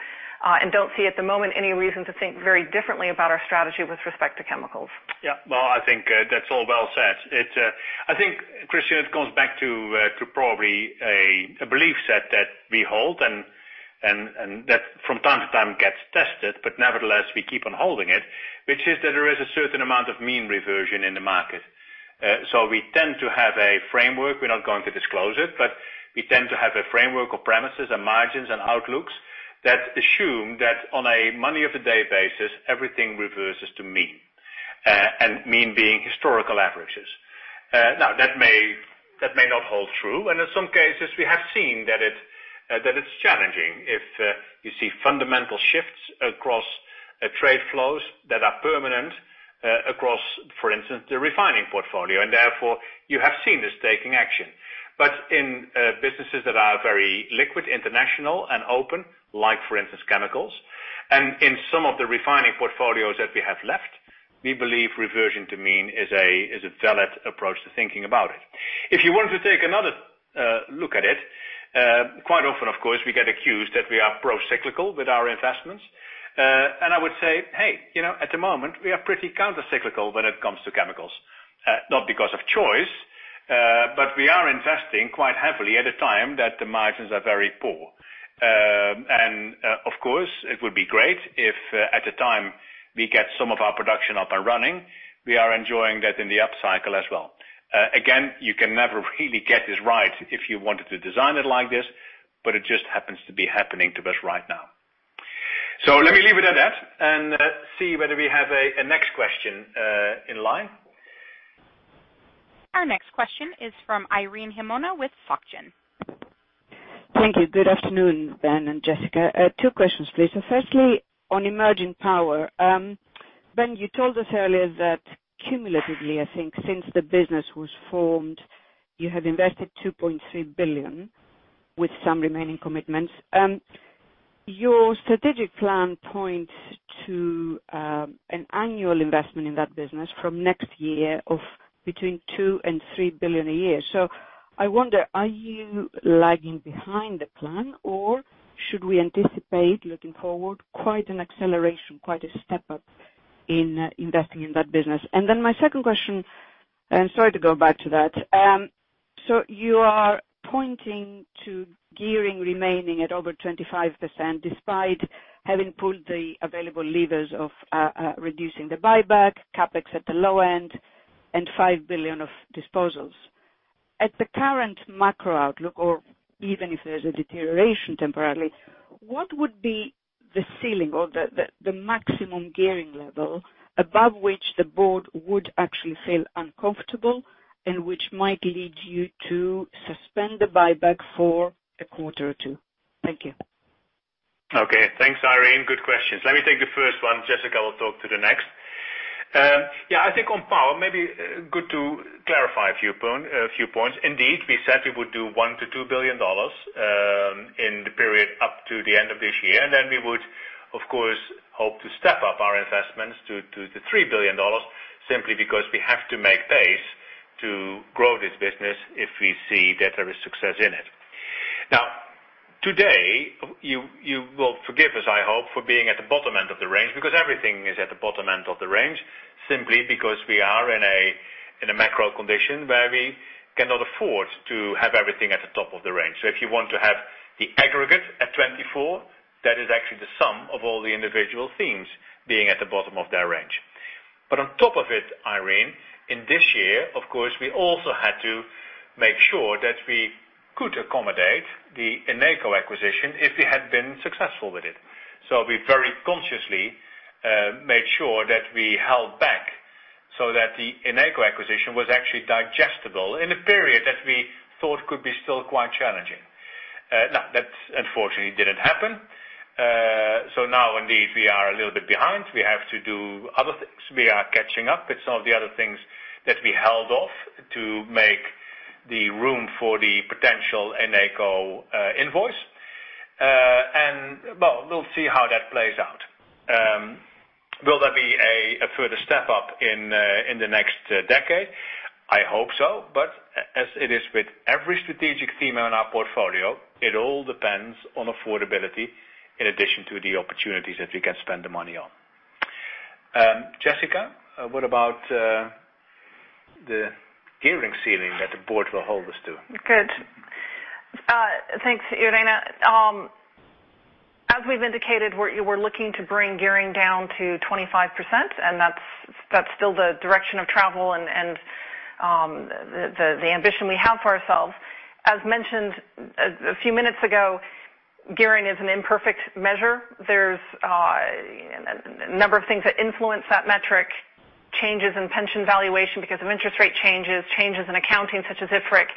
and don't see at the moment any reason to think very differently about our strategy with respect to chemicals. Yeah. Well, I think that's all well said. I think, Christyan, it comes back to probably a belief set that we hold and that from time to time gets tested, but nevertheless, we keep on holding it, which is that there is a certain amount of mean reversion in the market. We tend to have a framework, we're not going to disclose it, but we tend to have a framework of premises and margins and outlooks that assume that on a money of the day basis, everything reverses to mean, and mean being historical averages. That may not hold true, and in some cases, we have seen that it's challenging. If you see fundamental shifts across trade flows that are permanent across, for instance, the refining portfolio, and therefore you have seen us taking action. In businesses that are very liquid, international, and open, like for instance, chemicals, and in some of the refining portfolios that we have left, we believe reversion to mean is a valid approach to thinking about it. If you want to take another look at it, quite often, of course, we get accused that we are pro-cyclical with our investments. I would say, hey, at the moment, we are pretty counter-cyclical when it comes to chemicals. Not because of choice, but we are investing quite heavily at a time that the margins are very poor. Of course, it would be great if at a time we get some of our production up and running, we are enjoying that in the upcycle as well. You can never really get this right if you wanted to design it like this, it just happens to be happening to us right now. Let me leave it at that and see whether we have a next question in line. Our next question is from Irene Himona with SocGen. Thank you. Good afternoon, Ben and Jessica. Two questions, please. Firstly, on emerging power. Ben, you told us earlier that cumulatively, I think, since the business was formed, you have invested $2.3 billion with some remaining commitments. Your strategic plan points to an annual investment in that business from next year of between $2 billion and $3 billion a year. I wonder, are you lagging behind the plan, or should we anticipate, looking forward, quite an acceleration, quite a step up in investing in that business? My second question, and sorry to go back to that. You are pointing to gearing remaining at over 25% despite having pulled the available levers of reducing the buyback, CapEx at the low end, and $5 billion of disposals. At the current macro outlook, or even if there's a deterioration temporarily, what would be the ceiling or the maximum gearing level above which the board would actually feel uncomfortable and which might lead you to suspend the buyback for a quarter or two? Thank you. Okay. Thanks, Irene. Good questions. Let me take the first one. Jessica will talk to the next. Yeah, I think on power, maybe good to clarify a few points. We said we would do $1 billion-$2 billion in the period up to the end of this year. We would, of course, hope to step up our investments to the $3 billion simply because we have to make pace to grow this business if we see that there is success in it. Today, you will forgive us, I hope, for being at the bottom end of the range, because everything is at the bottom end of the range, simply because we are in a macro condition where we cannot afford to have everything at the top of the range. If you want to have the aggregate at 24, that is actually the sum of all the individual themes being at the bottom of their range. On top of it, Irene, in this year, of course, we also had to make sure that we could accommodate the Eneco acquisition if we had been successful with it. We very consciously made sure that we held back so that the Eneco acquisition was actually digestible in a period that we thought could be still quite challenging. Now, that unfortunately didn't happen. Now indeed, we are a little bit behind. We have to do other things. We are catching up with some of the other things that we held off to make the room for the potential Eneco invoice. Well, we'll see how that plays out. Will there be a further step up in the next decade? I hope so, but as it is with every strategic theme in our portfolio, it all depends on affordability in addition to the opportunities that we can spend the money on. Jessica, what about the gearing ceiling that the board will hold us to? Good. Thanks, Irene. As we've indicated, we're looking to bring gearing down to 25%, that's still the direction of travel and the ambition we have for ourselves. As mentioned a few minutes ago, gearing is an imperfect measure. There's a number of things that influence that metric. Changes in pension valuation because of interest rate changes in accounting such as IFRIC,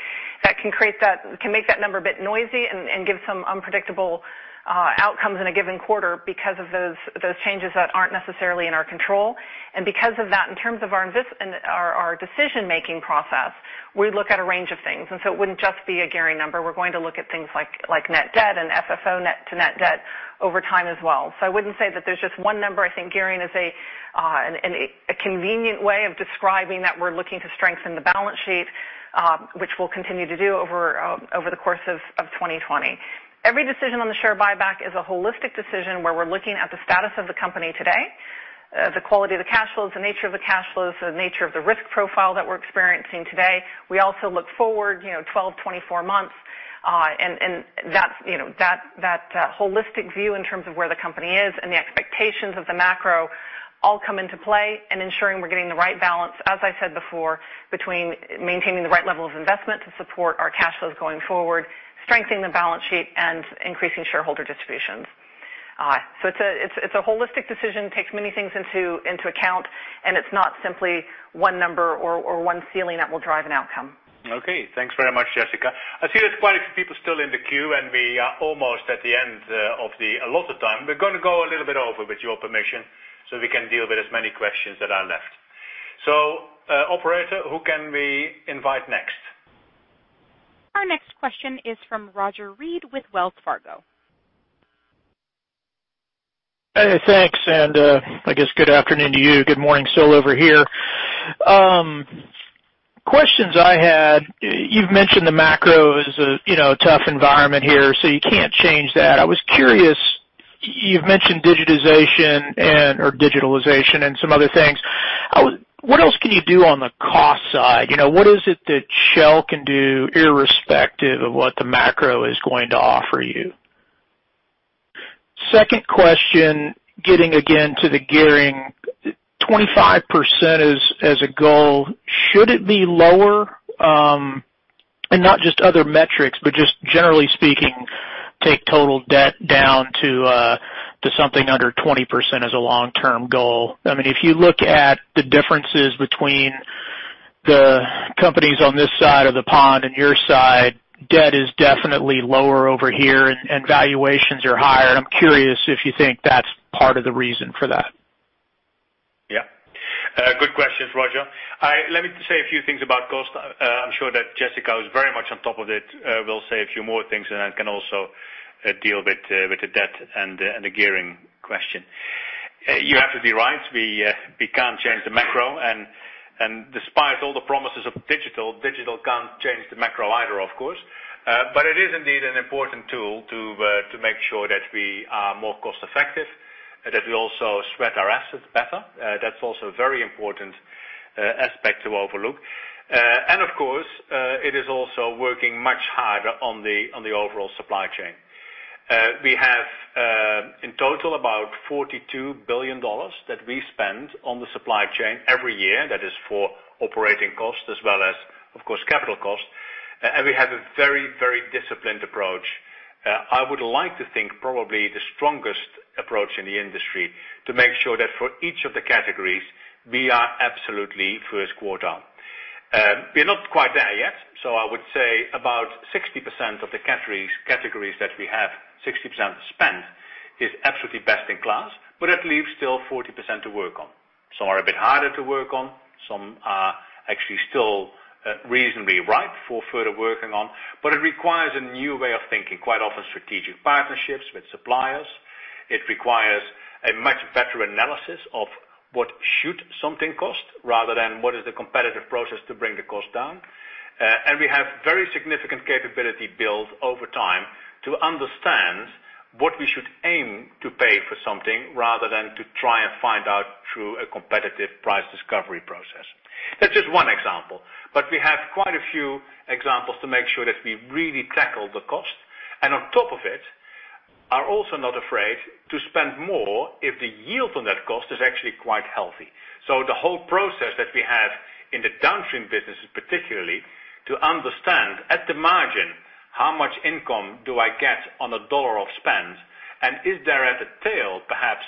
that can make that number a bit noisy and give some unpredictable outcomes in a given quarter because of those changes that aren't necessarily in our control. Because of that, in terms of our decision-making process, we look at a range of things. It wouldn't just be a gearing number. We're going to look at things like net debt and FFO to net debt over time as well. I wouldn't say that there's just one number. I think gearing is a convenient way of describing that we're looking to strengthen the balance sheet, which we'll continue to do over the course of 2020. Every decision on the share buyback is a holistic decision where we're looking at the status of the company today, the quality of the cash flows, the nature of the cash flows, the nature of the risk profile that we're experiencing today. We also look forward 12, 24 months, and that holistic view in terms of where the company is and the expectations of the macro all come into play in ensuring we're getting the right balance, as I said before, between maintaining the right level of investment to support our cash flows going forward, strengthening the balance sheet, and increasing shareholder distributions. It's a holistic decision. It takes many things into account, and it's not simply one number or one ceiling that will drive an outcome. Okay. Thanks very much, Jessica. I see there's quite a few people still in the queue, and we are almost at the end of the allotted time. We're going to go a little bit over with your permission so we can deal with as many questions that are left. Operator, who can we invite next? Our next question is from Roger Read with Wells Fargo. Hey, thanks. I guess good afternoon to you. Good morning still over here. Questions I had, you've mentioned the macro is a tough environment here, so you can't change that. I was curious, you've mentioned digitization and/or digitalization and some other things. What else can you do on the cost side? What is it that Shell can do irrespective of what the macro is going to offer you? Second question, getting again to the gearing, 25% as a goal. Should it be lower? Not just other metrics, but just generally speaking, take total debt down to something under 20% as a long-term goal. If you look at the differences between the companies on this side of the pond and your side, debt is definitely lower over here and valuations are higher, and I'm curious if you think that's part of the reason for that. Yeah. Good questions, Roger. Let me say a few things about cost. I'm sure that Jessica, who's very much on top of it, will say a few more things and then can also deal with the debt and the gearing question. You happen to be right. We can't change the macro, and despite all the promises of digital can't change the macro either, of course. It is indeed an important tool to make sure that we are more cost effective, that we also sweat our assets better. That's also a very important aspect to overlook. Of course, it is also working much harder on the overall supply chain. We have, in total, about $42 billion that we spend on the supply chain every year. That is for operating costs as well as, of course, capital costs. We have a very disciplined approach. I would like to think probably the strongest approach in the industry to make sure that for each of the categories, we are absolutely first quarter. We're not quite there yet, so I would say about 60% of the categories that we have, 60% spend is absolutely best in class, but that leaves still 40% to work on. Some are a bit harder to work on, some are actually still reasonably ripe for further working on. It requires a new way of thinking, quite often strategic partnerships with suppliers. It requires a much better analysis of what should something cost rather than what is the competitive process to bring the cost down. We have very significant capability built over time to understand what we should aim to pay for something rather than to try and find out through a competitive price discovery process. That's just one example, but we have quite a few examples to make sure that we really tackle the cost, and on top of it, are also not afraid to spend more if the yield on that cost is actually quite healthy. The whole process that we have in the Downstream businesses, particularly to understand at the margin, how much income do I get on a $1 of spend, and is there at the tail, perhaps,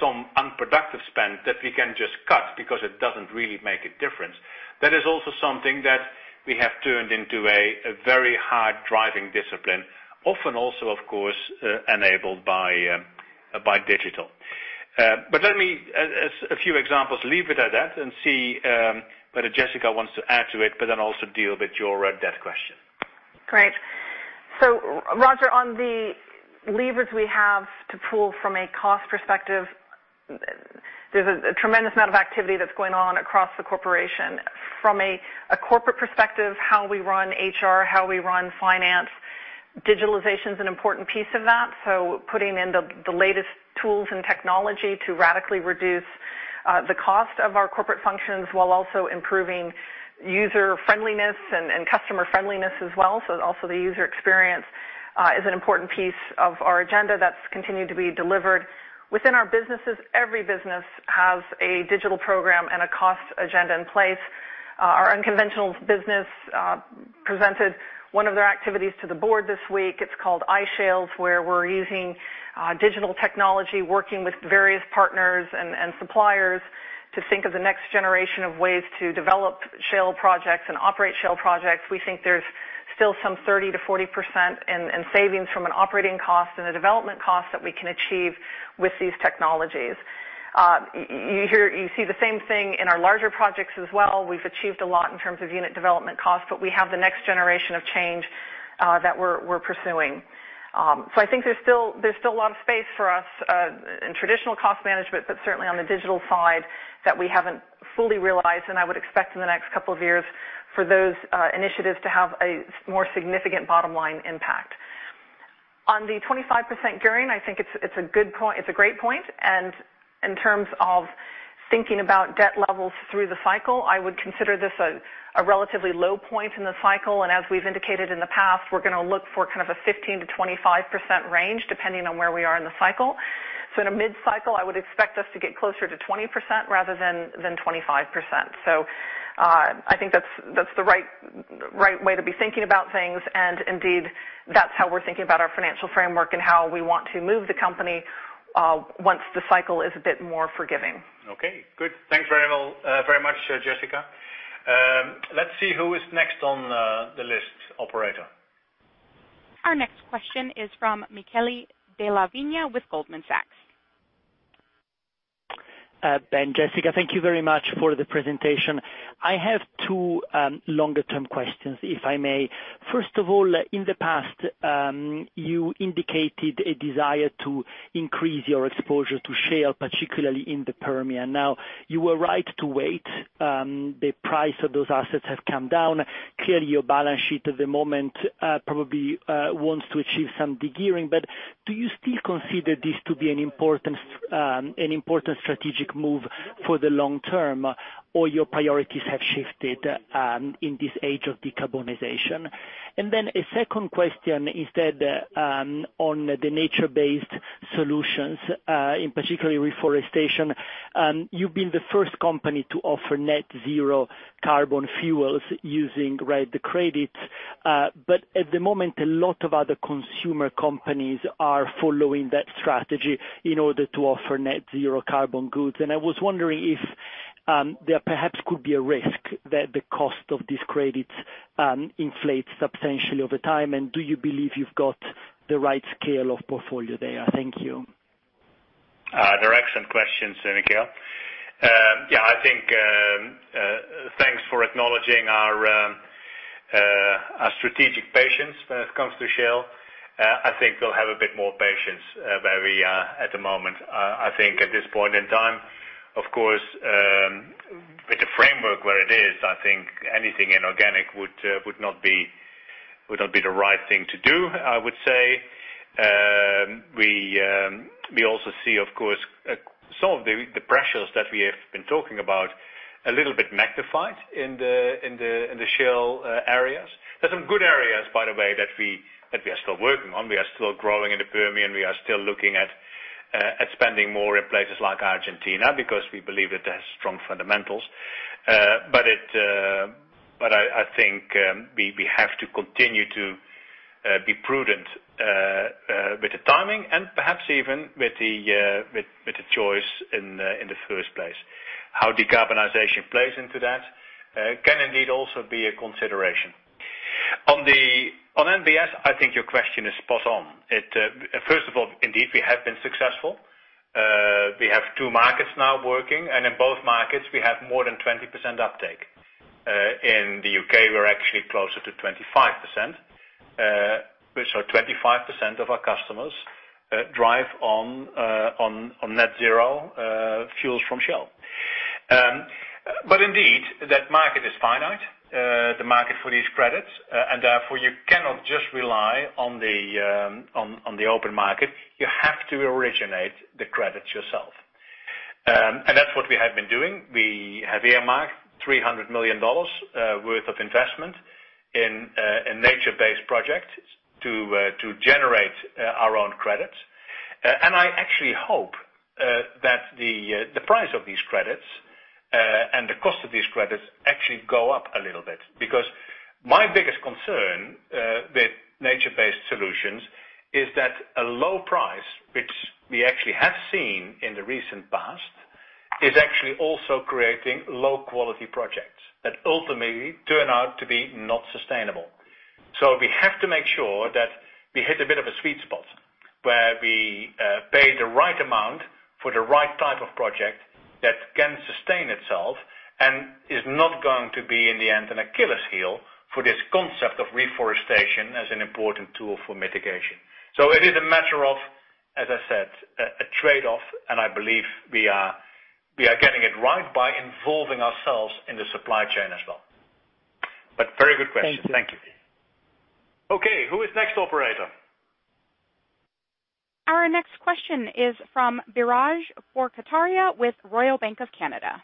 some unproductive spend that we can just cut because it doesn't really make a difference. That is also something that we have turned into a very hard-driving discipline, often also, of course, enabled by digital. Let me, as a few examples, leave it at that and see whether Jessica wants to add to it, but then also deal with your debt question. Great. Roger, on the levers we have to pull from a cost perspective, there's a tremendous amount of activity that's going on across the corporation. From a corporate perspective, how we run HR, how we run finance, digitalization is an important piece of that. Putting in the latest tools and technology to radically reduce the cost of our corporate functions while also improving user friendliness and customer friendliness as well. Also the user experience is an important piece of our agenda that's continued to be delivered within our businesses. Every business has a digital program and a cost agenda in place. Our unconventional business presented one of their activities to the board this week. It's called iShale, where we're using digital technology, working with various partners and suppliers to think of the next generation of ways to develop shale projects and operate shale projects. We think there's still some 30%-40% in savings from an operating cost and a development cost that we can achieve with these technologies. You see the same thing in our larger projects as well. We've achieved a lot in terms of unit development cost, but we have the next generation of change that we're pursuing. I think there's still a lot of space for us in traditional cost management, but certainly on the digital side that we haven't fully realized, and I would expect in the next couple of years for those initiatives to have a more significant bottom line impact. On the 25% gearing, I think it's a great point, and in terms of thinking about debt levels through the cycle, I would consider this a relatively low point in the cycle. As we've indicated in the past, we're going to look for kind of a 15%-25% range depending on where we are in the cycle. In a mid-cycle, I would expect us to get closer to 20% rather than 25%. I think that's the right way to be thinking about things, and indeed, that's how we're thinking about our financial framework and how we want to move the company once the cycle is a bit more forgiving. Okay, good. Thanks very much, Jessica. Let's see who is next on the list, operator. Our next question is from Michele Della Vigna with Goldman Sachs. Ben, Jessica, thank you very much for the presentation. I have two longer-term questions, if I may. First of all, in the past, you indicated a desire to increase your exposure to Shell, particularly in the Permian. You were right to wait. The price of those assets has come down. Clearly, your balance sheet at the moment probably wants to achieve some de-gearing. Do you still consider this to be an important strategic move for the long term, or your priorities have shifted in this age of decarbonization? A second question is on the nature-based solutions, in particularly, reforestation. You've been the first company to offer net zero carbon fuels using the credits. At the moment, a lot of other consumer companies are following that strategy in order to offer net zero carbon goods. I was wondering if there perhaps could be a risk that the cost of these credits inflates substantially over time, and do you believe you've got the right scale of portfolio there? Thank you. They're excellent questions, Michele. Thanks for acknowledging our strategic patience when it comes to Shell. I think we'll have a bit more patience where we are at the moment. I think at this point in time, of course, with the framework where it is, I think anything inorganic would not be the right thing to do, I would say. We also see, of course, some of the pressures that we have been talking about a little bit magnified in the Shell areas. There's some good areas, by the way, that we are still working on. We are still growing in the Permian. We are still looking at spending more in places like Argentina because we believe it has strong fundamentals. I think we have to continue to be prudent with the timing and perhaps even with the choice in the first place. How decarbonization plays into that can indeed also be a consideration. On NBS, I think your question is spot on. First of all, indeed, we have been successful. We have two markets now working, and in both markets, we have more than 20% uptake. In the U.K., we're actually closer to 25%, which are 25% of our customers drive on net zero fuels from Shell. Indeed, that market is finite, the market for these credits, and therefore you cannot just rely on the open market. You have to originate the credits yourself. That's what we have been doing. We have earmarked $300 million worth of investment in nature-based projects to generate our own credits. I actually hope that the price of these credits, and the cost of these credits, actually go up a little bit, because my biggest concern with nature-based solutions is that a low price, which we actually have seen in the recent past, is actually also creating low-quality projects that ultimately turn out to be not sustainable. We have to make sure that we hit a bit of a sweet spot where we pay the right amount for the right type of project that can sustain itself and is not going to be, in the end, an Achilles heel for this concept of reforestation as an important tool for mitigation. It is a matter of, as I said, a trade-off, and I believe we are getting it right by involving ourselves in the supply chain as well. Very good question. Thank you. Thank you. Okay, who is next, Operator? Our next question is from Biraj Borkhataria with Royal Bank of Canada.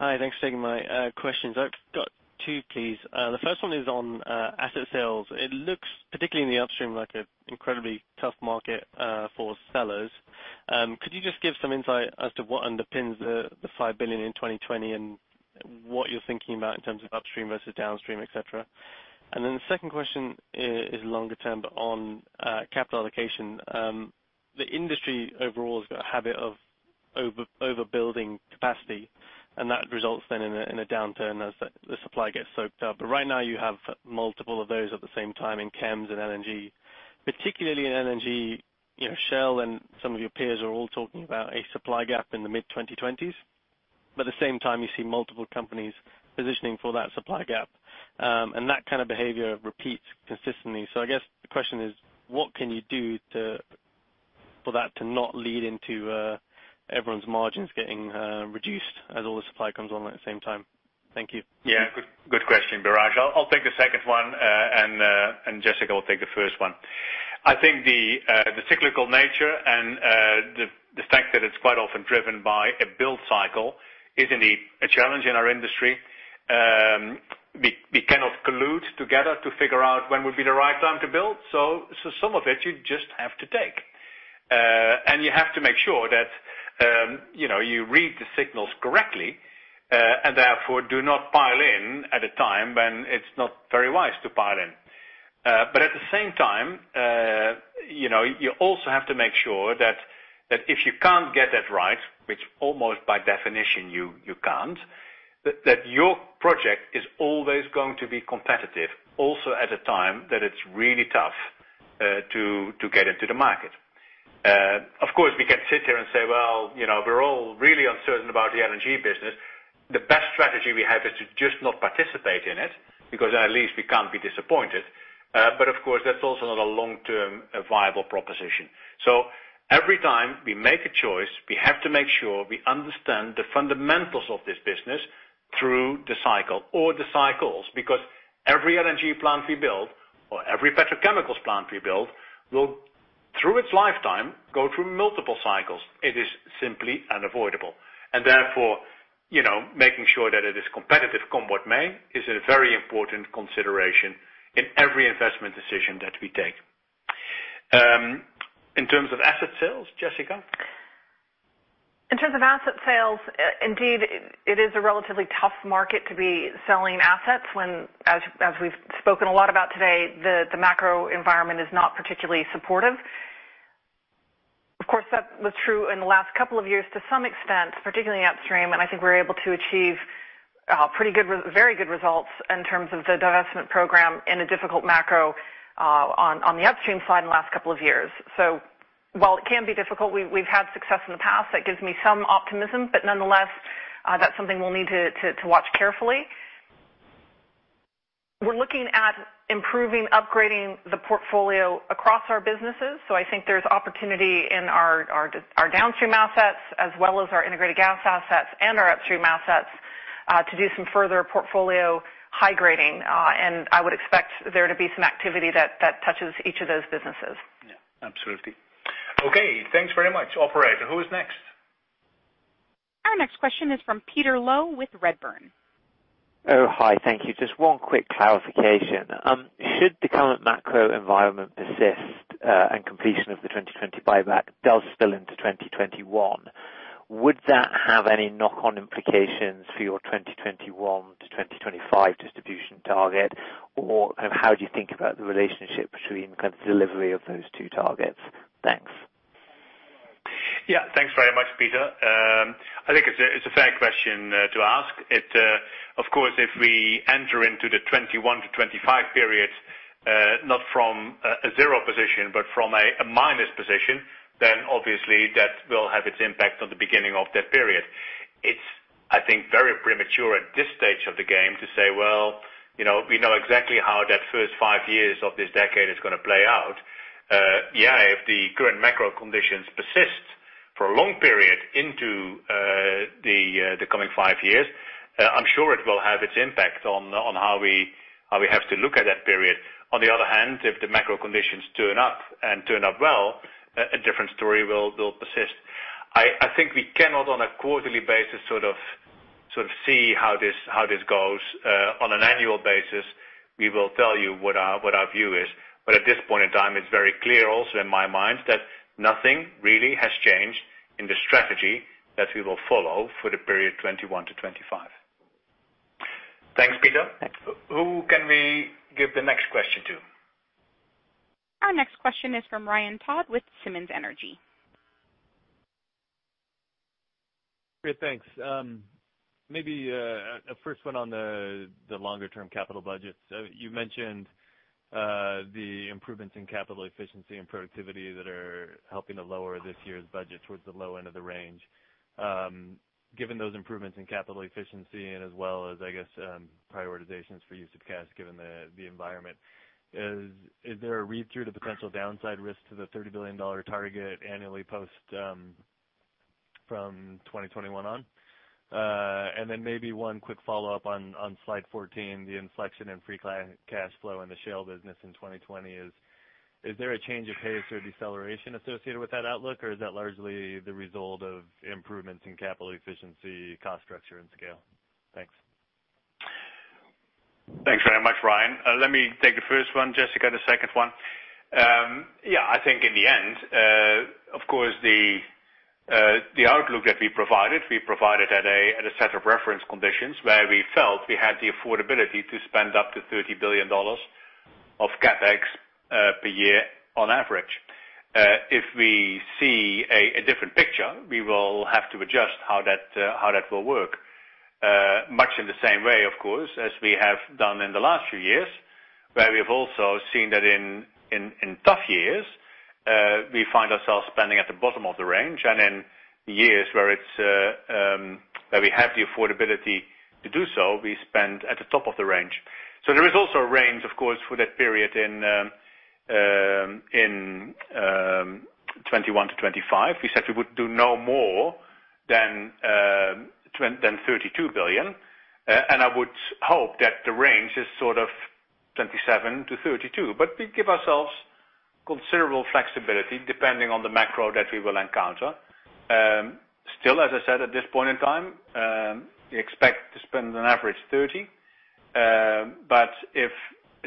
Hi, thanks for taking my questions. I've got two, please. The first one is on asset sales. It looks particularly in the upstream, like an incredibly tough market for sellers. Could you just give some insight as to what underpins the $5 billion in 2020 and what you're thinking about in terms of upstream versus downstream, et cetera? The second question is longer term, but on capital allocation. The industry overall has got a habit of overbuilding capacity, and that results then in a downturn as the supply gets soaked up. Right now you have multiple of those at the same time in chems and LNG. Particularly in LNG, Shell and some of your peers are all talking about a supply gap in the mid-2020s. At the same time, you see multiple companies positioning for that supply gap. That kind of behavior repeats consistently. I guess the question is, what can you do for that to not lead into everyone's margins getting reduced as all the supply comes on at the same time? Thank you. Good question, Biraj. I'll take the second one, and Jessica will take the first one. I think the cyclical nature and the fact that it's quite often driven by a build cycle is indeed a challenge in our industry. We cannot collude together to figure out when would be the right time to build. Some of it you just have to take. You have to make sure that you read the signals correctly, and therefore do not pile in at a time when it's not very wise to pile in. At the same time, you also have to make sure that if you can't get that right, which almost by definition you can't, that your project is always going to be competitive, also at a time that it's really tough to get into the market. Of course, we can sit here and say, "Well, we're all really uncertain about the LNG business." The best strategy we have is to just not participate in it, because at least we can't be disappointed. Of course, that's also not a long-term viable proposition. Every time we make a choice, we have to make sure we understand the fundamentals of this business through the cycle or the cycles, because every LNG plant we build or every petrochemicals plant we build, will, through its lifetime, go through multiple cycles. It is simply unavoidable, and therefore, making sure that it is competitive come what may is a very important consideration in every investment decision that we take. In terms of asset sales, Jessica? In terms of asset sales, indeed, it is a relatively tough market to be selling assets when, as we've spoken a lot about today, the macro environment is not particularly supportive. That was true in the last couple of years to some extent, particularly upstream, and I think we were able to achieve very good results in terms of the divestment program in a difficult macro on the upstream side in the last couple of years. While it can be difficult, we've had success in the past. That gives me some optimism, nonetheless, that's something we'll need to watch carefully. We're looking at improving, upgrading the portfolio across our businesses. I think there's opportunity in our downstream assets as well as our integrated gas assets and our upstream assets, to do some further portfolio high grading. I would expect there to be some activity that touches each of those businesses. Yeah, absolutely. Okay, thanks very much. Operator, who is next? Our next question is from Peter Low with Redburn. Oh, hi. Thank you. Just one quick clarification. Should the current macro environment persist, and completion of the 2020 buyback does spill into 2021, would that have any knock-on implications for your 2021 to 2025 distribution target? How do you think about the relationship between delivery of those two targets? Thanks. Thanks very much, Peter. I think it's a fair question to ask. If we enter into the 2021 to 2025 periods, not from a zero position but from a minus position, obviously that will have its impact on the beginning of that period. It's, I think, very premature at this stage of the game to say, "Well, we know exactly how that first five years of this decade is going to play out." Yeah, if the current macro conditions persist for a long period into the coming five years, I'm sure it will have its impact on how we have to look at that period. On the other hand, if the macro conditions turn up and turn up well, a different story will persist. I think we cannot on a quarterly basis sort of see how this goes. On an annual basis, we will tell you what our view is. At this point in time, it's very clear also in my mind that nothing really has changed in the strategy that we will follow for the period 2021 to 2025. Thanks, Peter. Thanks. Who can we give the next question to? Our next question is from Ryan Todd with Simmons Energy. Great. Thanks. Maybe a first one on the longer-term capital budget. You mentioned the improvements in capital efficiency and productivity that are helping to lower this year's budget towards the low end of the range. Given those improvements in capital efficiency and as well as, I guess, prioritizations for use of cash given the environment, is there a read-through to potential downside risk to the $30 billion target annually post from 2021 on? Maybe one quick follow-up on slide 14, the inflection in free cash flow in the Shale business in 2020 is there a change of pace or deceleration associated with that outlook, or is that largely the result of improvements in capital efficiency, cost structure, and scale? Thanks. Thanks very much, Ryan. Let me take the first one, Jessica, the second one. Yeah, I think in the end, of course, the outlook that we provided, we provided at a set of reference conditions where we felt we had the affordability to spend up to $30 billion of CapEx per year on average. If we see a different picture, we will have to adjust how that will work. Much in the same way, of course, as we have done in the last few years, where we have also seen that in tough years, we find ourselves spending at the bottom of the range, and in years where we have the affordability to do so, we spend at the top of the range. There is also a range, of course, for that period in 2021 to 2025. We said we would do no more than $32 billion. I would hope that the range is sort of $27-$32. We give ourselves considerable flexibility depending on the macro that we will encounter. Still, as I said, at this point in time, we expect to spend an average $30. If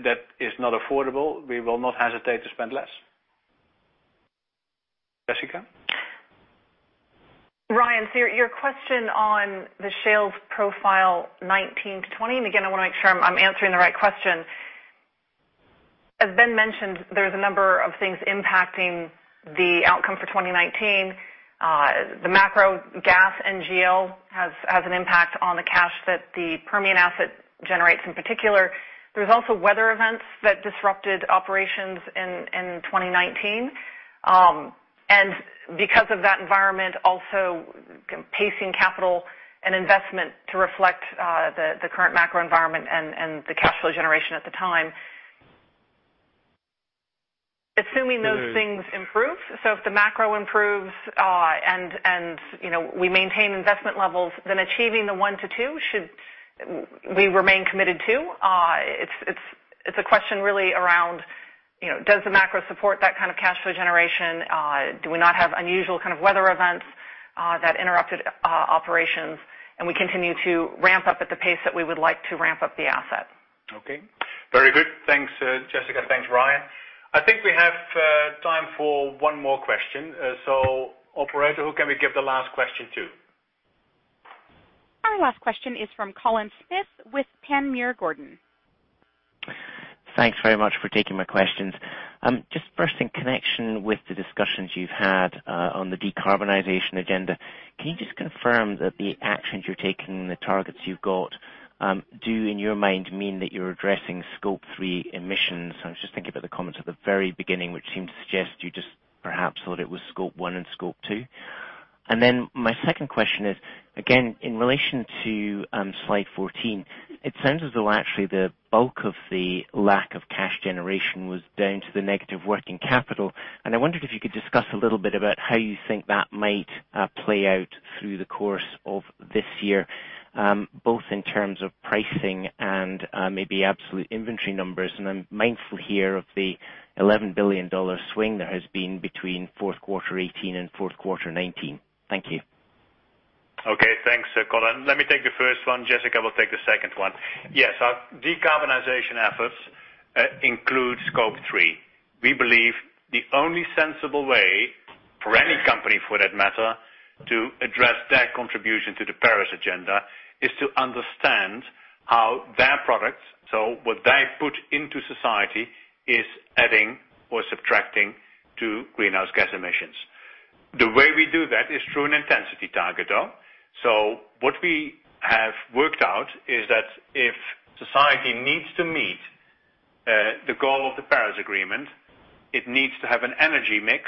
that is not affordable, we will not hesitate to spend less. Jessica? Ryan, your question on the Shales profile 2019 to 2020. Again, I want to make sure I'm answering the right question. As Ben mentioned, there's a number of things impacting the outcome for 2019. The macro gas NGL has an impact on the cash that the Permian asset generates in particular. There's also weather events that disrupted operations in 2019. Because of that environment, also pacing capital and investment to reflect the current macro environment and the cash flow generation at the time. Assuming those things improve, so if the macro improves and we maintain investment levels, then achieving the one to two should we remain committed to. It's a question really around, does the macro support that kind of cash flow generation? Do we not have unusual kind of weather events that interrupted operations? We continue to ramp up at the pace that we would like to ramp up the asset. Okay. Very good. Thanks, Jessica. Thanks, Ryan. I think we have time for one more question. Operator, who can we give the last question to? Our last question is from Colin Smith with Panmure Gordon. Thanks very much for taking my questions. First in connection with the discussions you've had on the decarbonization agenda, can you just confirm that the actions you're taking and the targets you've got do, in your mind, mean that you're addressing Scope 3 emissions? I'm just thinking about the comments at the very beginning, which seem to suggest you just perhaps thought it was Scope 1 and Scope 2. My second question is, again, in relation to slide 14, it sounds as though actually the bulk of the lack of cash generation was down to the negative working capital. I wondered if you could discuss a little bit about how you think that might play out through the course of this year, both in terms of pricing and maybe absolute inventory numbers. I'm mindful here of the $11 billion swing there has been between fourth quarter 2018 and fourth quarter 2019. Thank you. Okay. Thanks, Colin. Let me take the first one. Jessica will take the second one. Yes, our decarbonization efforts include Scope 3. We believe the only sensible way for any company, for that matter, to address their contribution to the Paris agenda is to understand how their products, so what they put into society, is adding or subtracting to greenhouse gas emissions. The way we do that is through an intensity target, though. What we have worked out is that if society needs to meet the goal of the Paris Agreement, it needs to have an energy mix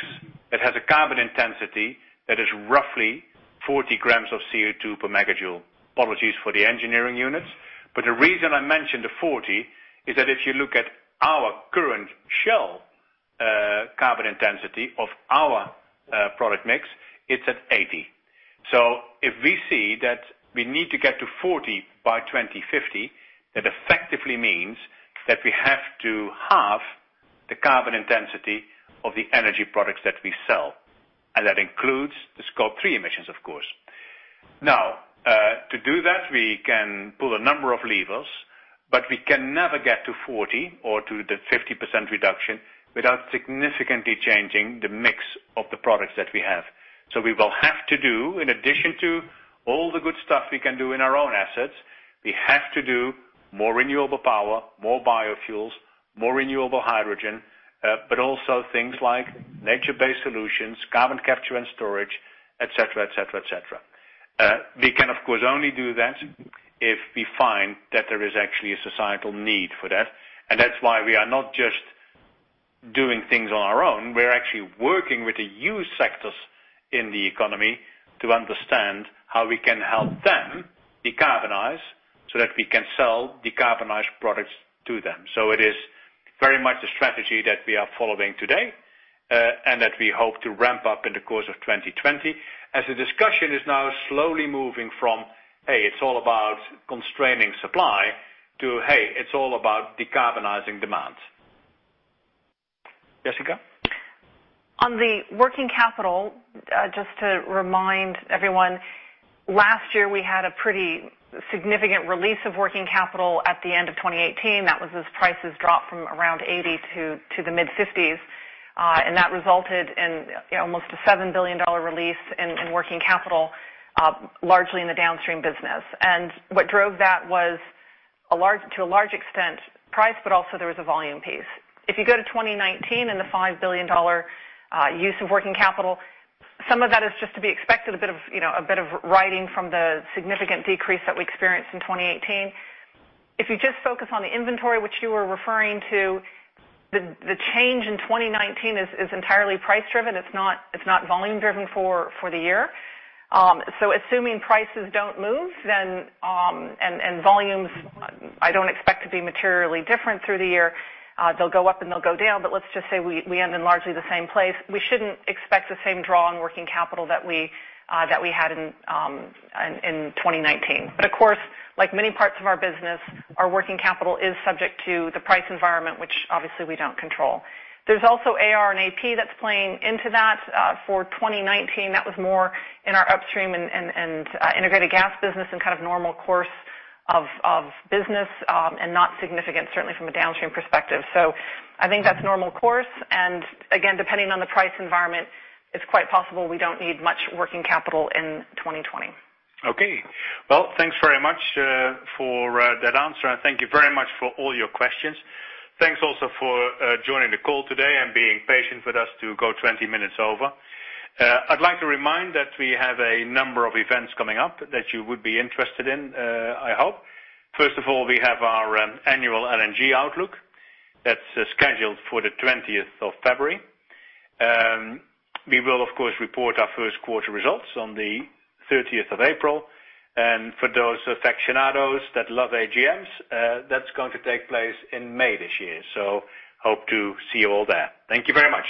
that has a carbon intensity that is roughly 40 grams of CO2 per megajoule. Apologies for the engineering units. The reason I mention the 40 is that if you look at our current Shell carbon intensity of our product mix, it's at 80. If we see that we need to get to 40% by 2050, that effectively means that we have to halve the carbon intensity of the energy products that we sell. That includes the Scope 3 emissions, of course. To do that, we can pull a number of levers, but we can never get to 40% or to the 50% reduction without significantly changing the mix of the products that we have. We will have to do, in addition to all the good stuff we can do in our own assets, we have to do more renewable power, more biofuels, more renewable hydrogen, but also things like Nature-Based Solutions, carbon capture and storage, et cetera. We can, of course, only do that if we find that there is actually a societal need for that. That's why we are not just doing things on our own. We're actually working with the huge sectors in the economy to understand how we can help them decarbonize so that we can sell decarbonized products to them. It is very much a strategy that we are following today, and that we hope to ramp up in the course of 2020 as the discussion is now slowly moving from, hey, it's all about constraining supply to, hey, it's all about decarbonizing demand. Jessica? On the working capital, just to remind everyone, last year we had a pretty significant release of working capital at the end of 2018. That resulted in almost a $7 billion release in working capital, largely in the downstream business. What drove that was to a large extent price, but also there was a volume piece. If you go to 2019 and the $5 billion use of working capital, some of that is just to be expected, a bit of writing from the significant decrease that we experienced in 2018. If you just focus on the inventory which you are referring to, the change in 2019 is entirely price-driven. It's not volume driven for the year. Assuming prices don't move and volumes I don't expect to be materially different through the year. They'll go up and they'll go down, but let's just say we end in largely the same place. We shouldn't expect the same draw on working capital that we had in 2019. Of course, like many parts of our business, our working capital is subject to the price environment, which obviously we don't control. There's also AR and AP that's playing into that. For 2019, that was more in our Upstream and Integrated Gas business and kind of normal course of business, and not significant, certainly from a Downstream perspective. I think that's normal course. Again, depending on the price environment, it's quite possible we don't need much working capital in 2020. Okay. Well, thanks very much for that answer. Thank you very much for all your questions. Thanks also for joining the call today and being patient with us to go 20 minutes over. I'd like to remind that we have a number of events coming up that you would be interested in, I hope. First of all, we have our annual LNG outlook that's scheduled for the 20th of February. We will, of course, report our first quarter results on the 30th of April. For those aficionados that love AGMs, that's going to take place in May this year. Hope to see you all there. Thank you very much.